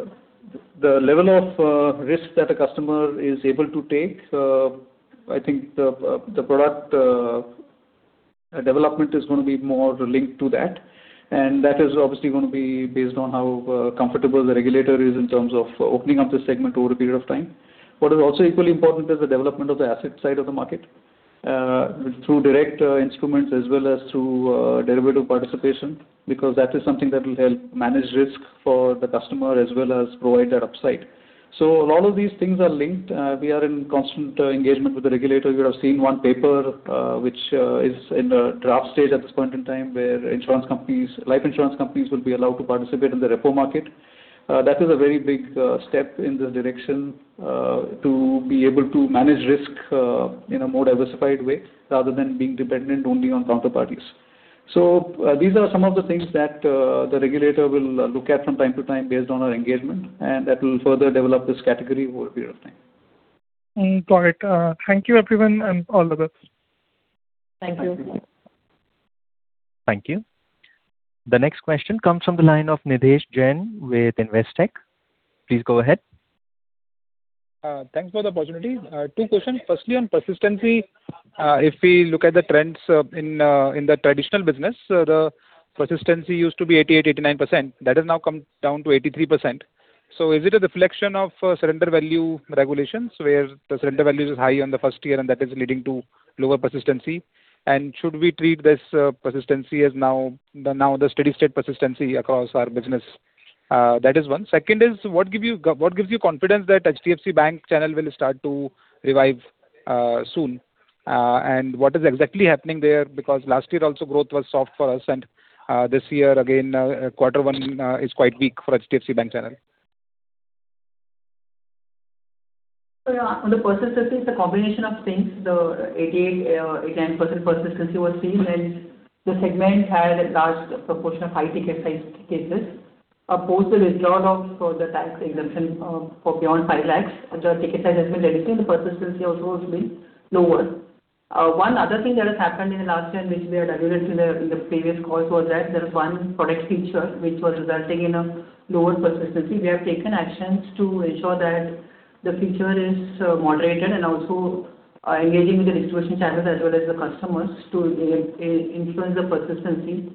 level of risk that a customer is able to take, I think the product development is going to be more linked to that, and that is obviously going to be based on how comfortable the regulator is in terms of opening up this segment over a period of time. What is also equally important is the development of the asset side of the market through direct instruments as well as through derivative participation, because that is something that will help manage risk for the customer as well as provide that upside. A lot of these things are linked. We are in constant engagement with the regulator. You would have seen one paper, which is in the draft stage at this point in time, where life insurance companies will be allowed to participate in the repo market. That is a very big step in the direction to be able to manage risk in a more diversified way, rather than being dependent only on counter-parties. These are some of the things that the regulator will look at from time to time based on our engagement, and that will further develop this category over a period of time. Got it. Thank you, everyone, and all the best. Thank you. Thank you. The next question comes from the line of Nidhesh Jain with Investec. Please go ahead. Thanks for the opportunity. Two questions. Firstly, on persistency. If we look at the trends in the traditional business, the persistency used to be 88%, 89%. That has now come down to 83%. So, is it a reflection of surrender value regulations, where the surrender value is high on the first year and that is leading to lower persistency? And should we treat this persistency as now, the steady state persistency across our business? That is one. Second is, what gives you confidence that HDFC Bank channel will start to revive soon? What is exactly happening there? Because last year also, growth was soft for us, and this year again, quarter one is quite weak for HDFC Bank channel. On the persistency, it's a combination of things. The 88%, 89% persistency was seen when the segment had a large proportion of high-ticket size cases. Post the withdrawal of the tax exemption for beyond 5 lakh, the ticket size has been reducing, the persistency also has been lower. One other thing that has happened in the last year, and which we had alluded to in the previous calls was that there was one product feature which was resulting in a lower persistency. We have taken actions to ensure that the feature is moderated and also are engaging with the distribution channels as well as the customers to influence the persistency.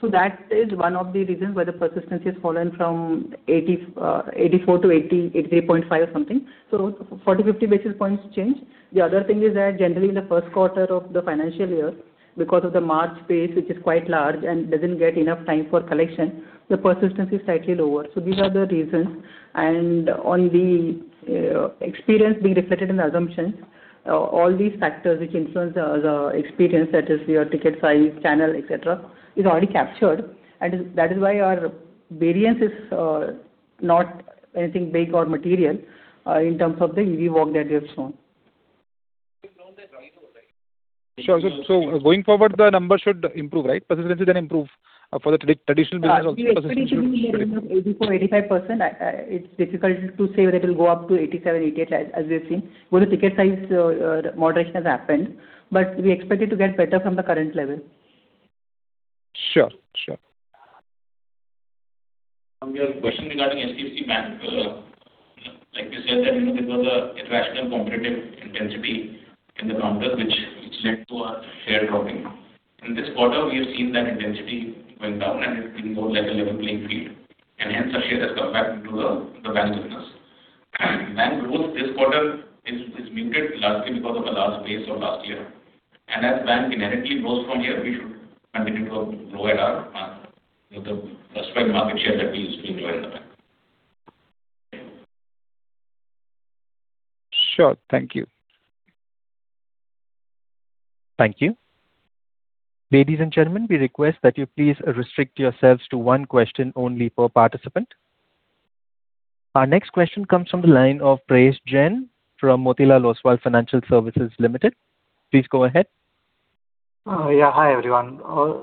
That is one of the reasons why the persistency has fallen from 84% to 83.5% something. So 40, 50 basis points change. The other thing is that generally, in the first quarter of the financial year, because of the March base, which is quite large and doesn't get enough time for collection, the persistency is slightly lower. These are the reasons. On the experience being reflected in the assumptions, all these factors which influence the experience, that is your ticket size, channel, et cetera, is already captured, and that is why our variance is not anything big or material in terms of the EV walk that we have shown. Sure. So, going forward, the numbers should improve, right? Persistency improve for the traditional business also. We expect it to be in the range of 84%-85%. It's difficult to say whether it'll go up to 87%, 88%, as we've seen. Although ticket size moderation has happened, but we expect it to get better from the current level. Sure. Sure. On your question regarding HDFC Bank, like you said, that this was an irrational competitive intensity in the counters, which led to our share dropping. In this quarter, we have seen that intensity went down and it's been more like a level playing field, and hence our share has come back into the bank business. Bank growth this quarter is muted largely because of the large base of last year. As bank inherently grows from here, we should continue to grow at our expected market share that we used to enjoy in the bank. Sure. Thank you. Thank you. Ladies and gentlemen, we request that you please restrict yourselves to one question only per participant. Our next question comes from the line of Prayesh Jain from Motilal Oswal Financial Services Limited. Please go ahead. Hi, everyone.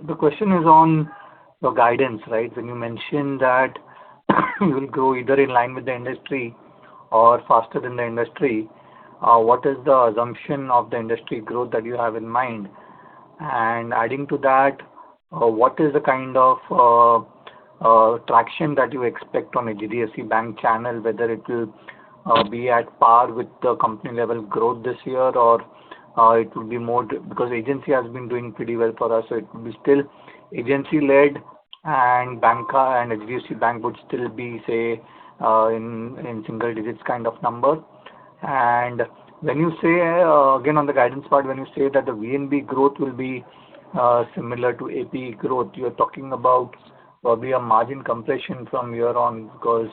The question is on the guidance, right? When you mentioned that you will grow either in line with the industry or faster than the industry, what is the assumption of the industry growth that you have in mind? Adding to that, what is the kind of traction that you expect from a HDFC Bank channel, whether it will be at par with the company level growth this year, or it would be more because agency has been doing pretty well for us, so it would be still agency-led and banca and HDFC Bank would still be, say, in single digits kind of number? Again, on the guidance part, when you say that the VNB growth will be similar to APE growth, you're talking about probably a margin compression from here on because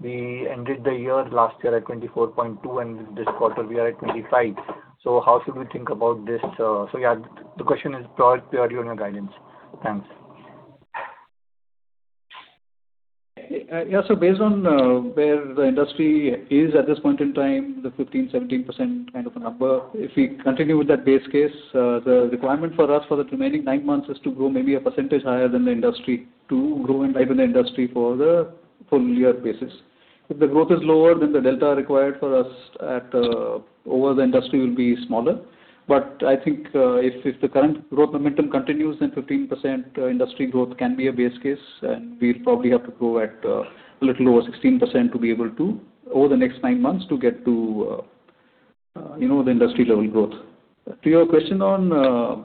we ended the year last year at 24.2%, and this quarter, we are at 25%. How should we think about this? The question is purely on your guidance. Thanks. Based on where the industry is at this point in time, the 15%, 17% kind of a number, if we continue with that base case, the requirement for us for the remaining nine months is to grow maybe a percentage higher than the industry to grow in line with the industry for the full-year basis. If the growth is lower, then the delta required for us over the industry will be smaller, but I think if the current growth momentum continues, then 15% industry growth can be a base case, and we'll probably have to grow at a little over 16% over the next nine months to get to the industry level growth. To your question on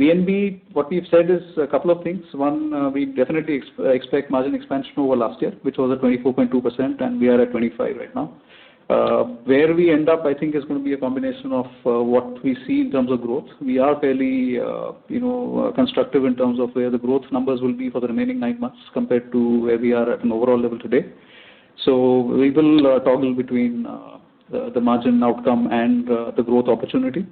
VNB, what we've said is a couple of things. One, we definitely expect margin expansion over last year, which was at 24.2%, and we are at 25% right now. Where we end up, I think, is going to be a combination of what we see in terms of growth. We are fairly constructive in terms of where the growth numbers will be for the remaining nine months compared to where we are at an overall level today. We will toggle between the margin outcome and the growth opportunity.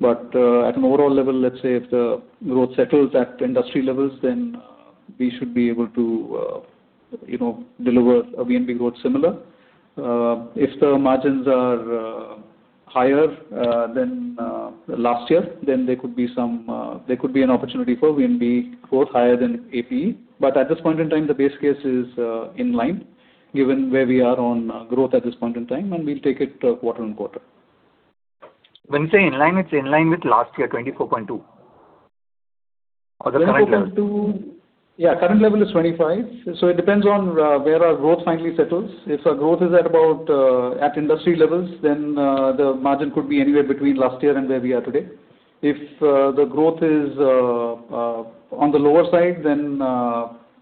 But at an overall level, let's say if the growth settles at industry levels, then we should be able to deliver a VNB growth similar. If the margins are higher than last year, then there could be an opportunity for VNB growth higher than APE. But at this point in time, the base case is in line given where we are on growth at this point in time, and we'll take it quarter-on-quarter. When you say in line, it's in line with last year, 24.2% or the current level? Yeah. Current level is 25%, so it depends on where our growth finally settles. If our growth is at industry levels, then the margin could be anywhere between last year and where we are today. If the growth is on the lower side, then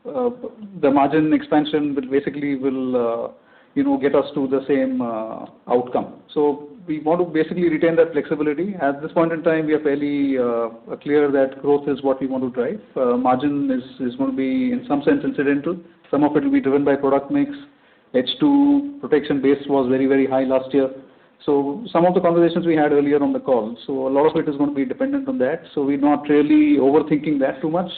the margin expansion basically will get us to the same outcome. We want to basically retain that flexibility. At this point in time, we are fairly clear that growth is what we want to drive. Margin is going to be, in some sense, incidental. Some of it will be driven by product mix. H2 protection base was very high last year. Some of the conversations we had earlier on the call. A lot of it is going to be dependent on that. We're not really overthinking that too much.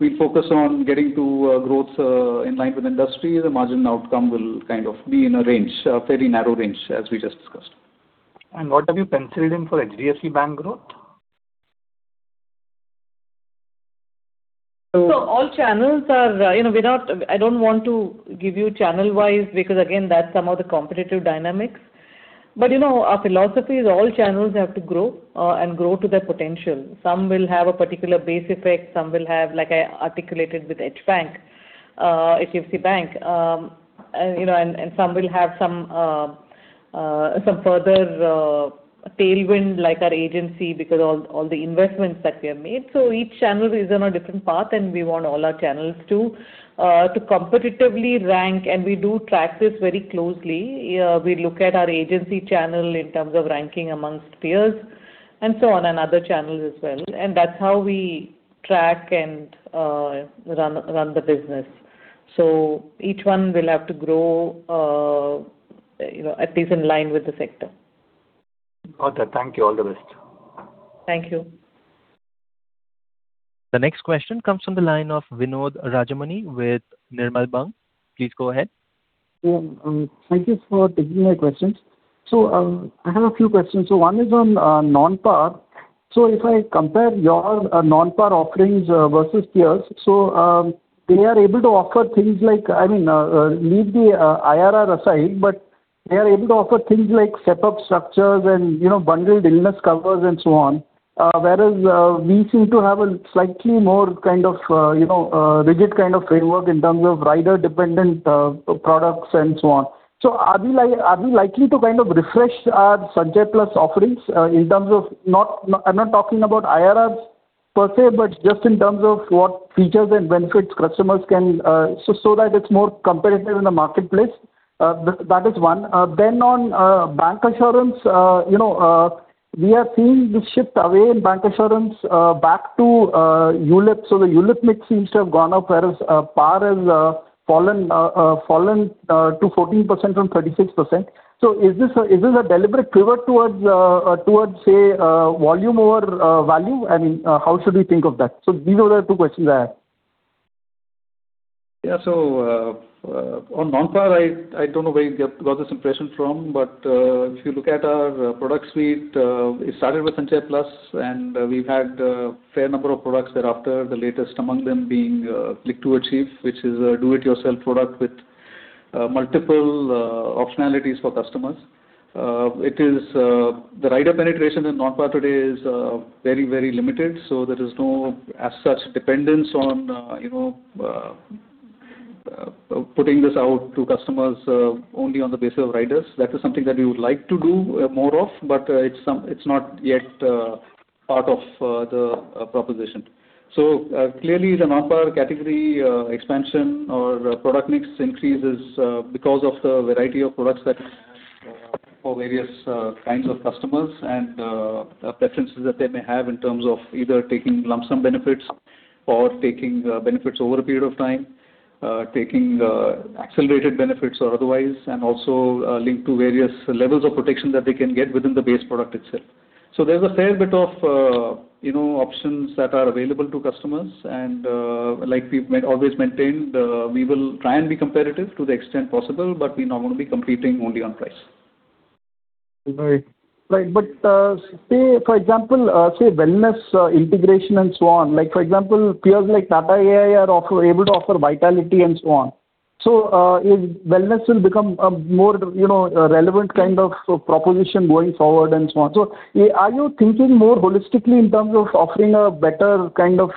We focus on getting to growth in line with industry. The margin outcome will kind of be in a range, a fairly narrow range, as we just discussed. What have you penciled in for HDFC Bank growth? So, all channels, I don't want to give you channel-wise because again, that's some of the competitive dynamics. But, you know, our philosophy is all channels have to grow and grow to their potential. Some will have a particular base effect. Some will have, like I articulated with HDFC Bank, and some will have some further tailwind like our agency because all the investments that we have made. Each channel is on a different path and we want all our channels to competitively rank, and we do track this very closely. We look at our agency channel in terms of ranking amongst peers and so on, and other channels as well. That's how we track and run the business. Each one will have to grow at least in line with the sector. Got that. Thank you. All the best. Thank you. The next question comes from the line of Vinod Rajamani with Nirmal Bang. Please go ahead. Thank you for taking my questions. I have a few questions. One is on non-par. If I compare your non-par offerings versus peers, they are able to offer things like, I mean, leave the IRR aside, but they are able to offer things like step-up structures and bundled illness covers and so on. Whereas, we seem to have a slightly more kind of rigid kind of framework in terms of rider-dependent products and so on. So, are we likely to kind of refresh our Sanchay Plus offerings in terms of, I'm not talking about IRRs per se, but just in terms of what features and benefits customers can, so that it's more competitive in the marketplace? That is one. Then, on bank assurance, we have seen this shift away in bank assurance back to ULIP. The ULIP mix seems to have gone up, whereas par has fallen to 14% from 36%. Is this a deliberate pivot towards, say, volume over value, I mean, how should we think of that? These are the two questions I have. Yeah. On non-par, I don't know where you got this impression from, but if you look at our product suite, it started with Sanchay Plus, and we've had a fair number of products thereafter, the latest among them being Click 2 Achieve, which is a do-it-yourself product with multiple optionalities for customers. The rider penetration in non-par today is very, very limited. There is no as such dependence on putting this out to customers only on the basis of riders. That is something that we would like to do more of, but it's not yet part of the proposition. Clearly, the non-par category expansion or product mix increases because of the variety of products that we have for various kinds of customers and preferences that they may have in terms of either taking lump sum benefits or taking benefits over a period of time, taking accelerated benefits or otherwise, and also linked to various levels of protection that they can get within the base product itself. There's a fair bit of options that are available to customers. Like we've always maintained, we will try and be competitive to the extent possible, but we're not going to be competing only on price. Right. Say, for example, wellness integration and so on. Like for example, peers like Tata AIA are able to offer Vitality and so on. Wellness will become a more relevant kind of proposition going forward and so on. Are you thinking more holistically in terms of offering a better kind of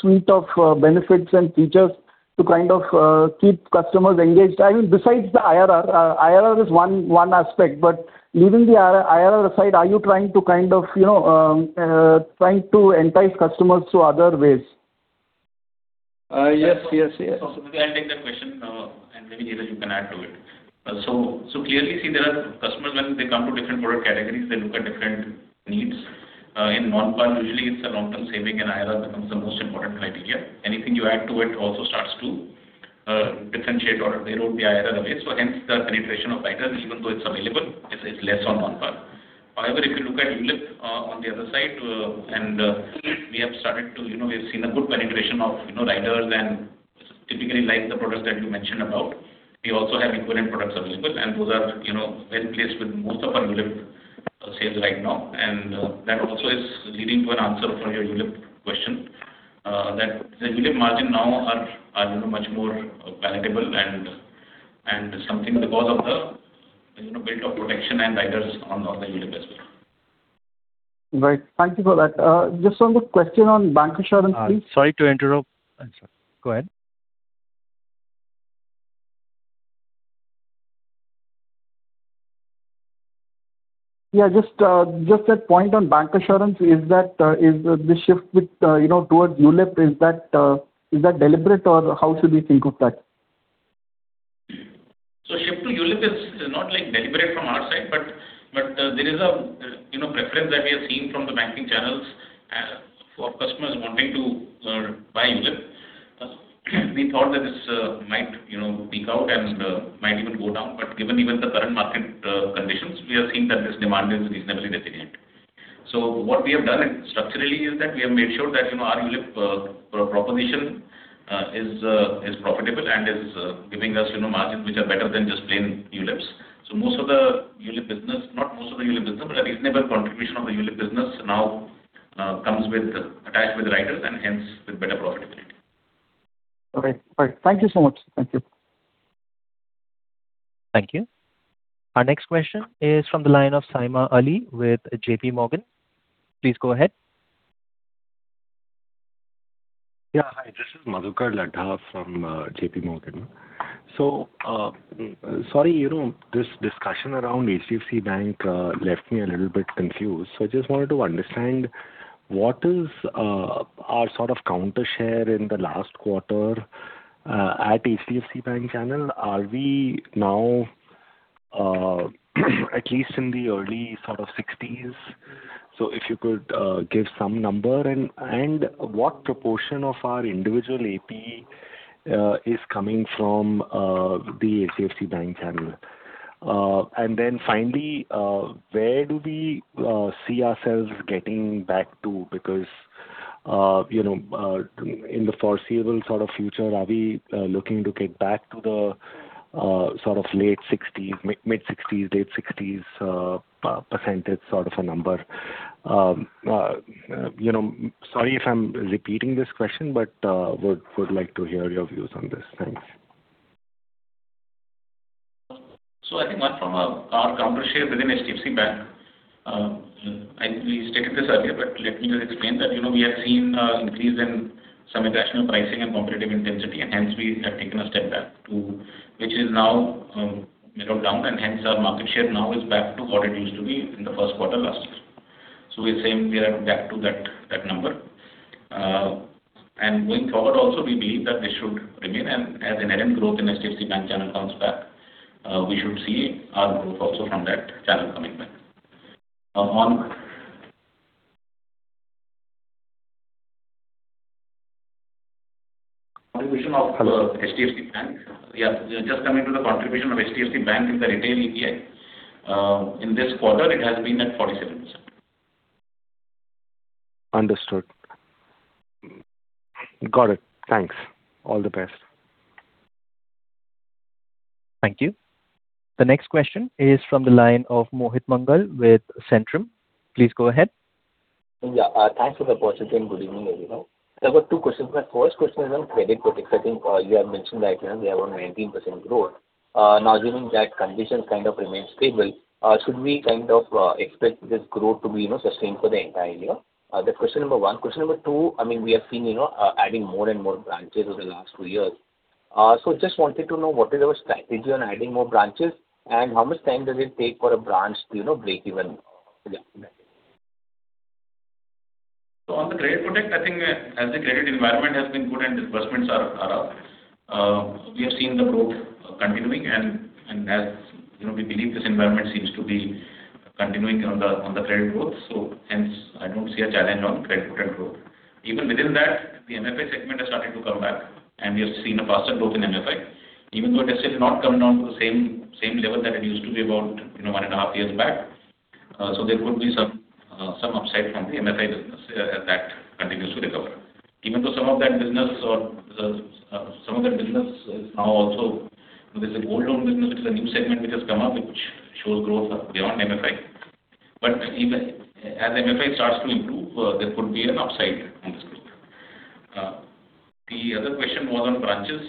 suite of benefits and features to kind of keep customers engaged? Besides the IRR, IRR is one aspect, but leaving the IRR aside, are you trying to entice customers through other ways? Yes. I'll take that question and maybe, Niraj, you can add to it. Clearly, see, there are customers when they come to different product categories, they look at different needs. In non-par, usually it's a long-term saving, and IRR becomes the most important criteria. Anything you add to it also starts to differentiate or they erode the IRR away. Hence, the penetration of riders, even though it's available, is less on non-par. However, if you look at ULIP on the other side, and we have seen a good penetration of riders and typically like the products that you mentioned about. We also have equivalent products available, and those are well-placed with most of our ULIP sales right now. That also is leading to an answer for your ULIP question, that the ULIP margin now are much more palatable and something because of the built-up protection and riders on the ULIP as well. Right. Thank you for that. Just on the question on bancassurance, please. Sorry to interrupt. I'm sorry, go ahead. Yeah, just a point on bancassurance. Is the shift towards ULIP, is that deliberate, or how should we think of that? Shift to ULIP is not deliberate from our side, but there is a preference that we are seeing from the banking channels for customers wanting to buy ULIP. We thought that this might peak out and might even go down, but given even the current market conditions, we are seeing that this demand is reasonably definite. What we have done structurally is that we have made sure that our ULIP proposition is profitable and is giving us margins which are better than just plain ULIPs. Most of the ULIP business, not most of the ULIP business, but a reasonable contribution of the ULIP business now comes attached with the riders and hence with better profitability. Okay. All right. Thank you so much. Thank you. Thank you. Our next question is from the line of Saima Ali with JPMorgan. Please go ahead. Hi, this is Madhukar Ladha from JPMorgan. Sorry, this discussion around HDFC Bank left me a little bit confused. I just wanted to understand what is our counter share in the last quarter at HDFC Bank channel. Are we now at least in the early 60s? If you could give some number. And what proportion of our individual APE is coming from the HDFC Bank channel? Finally, where do we see ourselves getting back to, because in the foreseeable future, are we looking to get back to sort of late 60s, the mid-60s, late 60s percentage sort of a number? Sorry if I'm repeating this question but would like to hear your views on this. Thanks. I think one from our counter share within HDFC Bank, we stated this earlier, but let me just explain that we have seen an increase in some irrational pricing and competitive intensity and hence we have taken a step back to which is now mellowed down and hence our market share now is back to what it used to be in the first quarter last year. We're saying we are back to that number. Going forward also we believe that this should remain and as inherent growth in HDFC Bank channel comes back we should see our growth also from that channel coming back. On contribution of HDFC Bank, just coming to the contribution of HDFC Bank in the retail APE, in this quarter, it has been at 47%. Understood. Got it. Thanks. All the best. Thank you. The next question is from the line of Mohit Mangal with Centrum. Please go ahead. Thanks for the opportunity and good evening, everyone. I've got two questions. My first question is on credit products. I think you have mentioned right now we are on 19% growth. Now, assuming that conditions kind of remain stable, should we kind of expect this growth to be sustained for the entire year? That's question number one. Question number two, we have seen you adding more and more branches over the last two years, so just wanted to know what is your strategy on adding more branches and how much time does it take for a branch to break even? On the credit product, I think as the credit environment has been good and disbursements are up, we have seen the growth continuing and as we believe, this environment seems to be continuing on the credit growth. Hence, I don't see a challenge on credit product growth. Even within that, the MFI segment has started to come back, and we have seen a faster growth in MFI, even though it has still not come down to the same level that it used to be about one and a half years back. There could be some upside from the MFI business as that continues to recover. Even though some of that business is now also, there's a gold loan business which is a new segment which has come up, which shows growth beyond MFI. Even as MFI starts to improve, there could be an upside on this growth. The other question was on branches.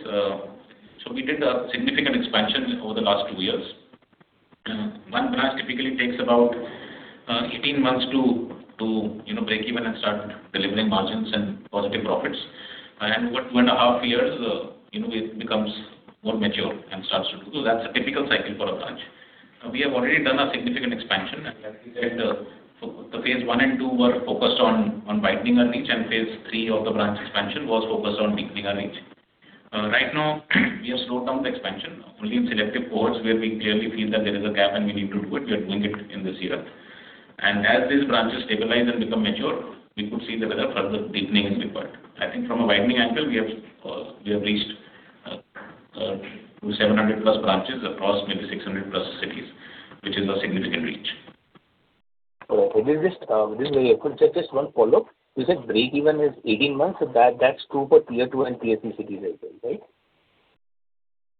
We did a significant expansion over the last two years. One branch typically takes about 18 months to break even and start delivering margins and positive profits. One and a half years, it becomes more mature and starts to. That's a typical cycle for a branch. We have already done a significant expansion and as we said the phase one and two were focused on widening our reach and phase three of the branch expansion was focused on deepening our reach. Right now, we have slowed down the expansion, only in selective cores where we clearly feel that there is a gap and we need to do it, we are doing it in this year. As these branches stabilize and become mature, we could see that whether further deepening is required. I think from a widening angle, we have reached 700+ branches across maybe 600+ cities, which is a significant reach. Just one follow-up. You said breakeven is 18 months. That's true for Tier 2 and Tier 3 cities as well, right?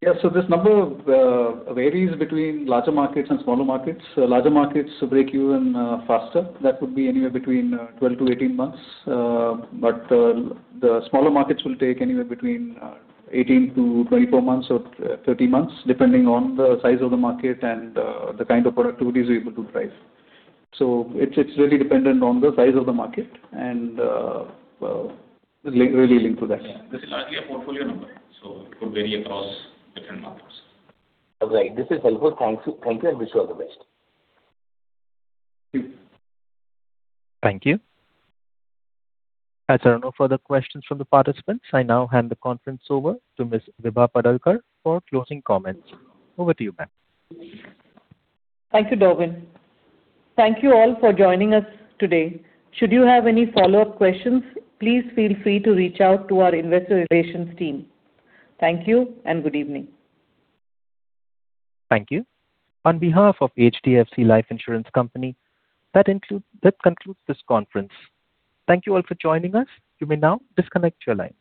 Yeah. So, this number varies between larger markets and smaller markets. Larger markets break even faster. That would be anywhere between 12-18 months. The smaller markets will take anywhere between 18-24 months or 30 months, depending on the size of the market and the kind of productivity they're able to drive. It's really dependent on the size of the market and really linked to that. This is largely a portfolio number, so it could vary across different markets. All right. This is helpful. Thank you and wish you all the best. Thank you. Thank you. As there are no further questions from the participants, I now hand the conference over to Ms. Vibha Padalkar for closing comments. Over to you, ma'am. Thank you, Darwin. Thank you all for joining us today. Should you have any follow-up questions, please feel free to reach out to our investor relations team. Thank you and good evening. Thank you. On behalf of HDFC Life Insurance Company, that concludes this conference. Thank you all for joining us. You may now disconnect your lines.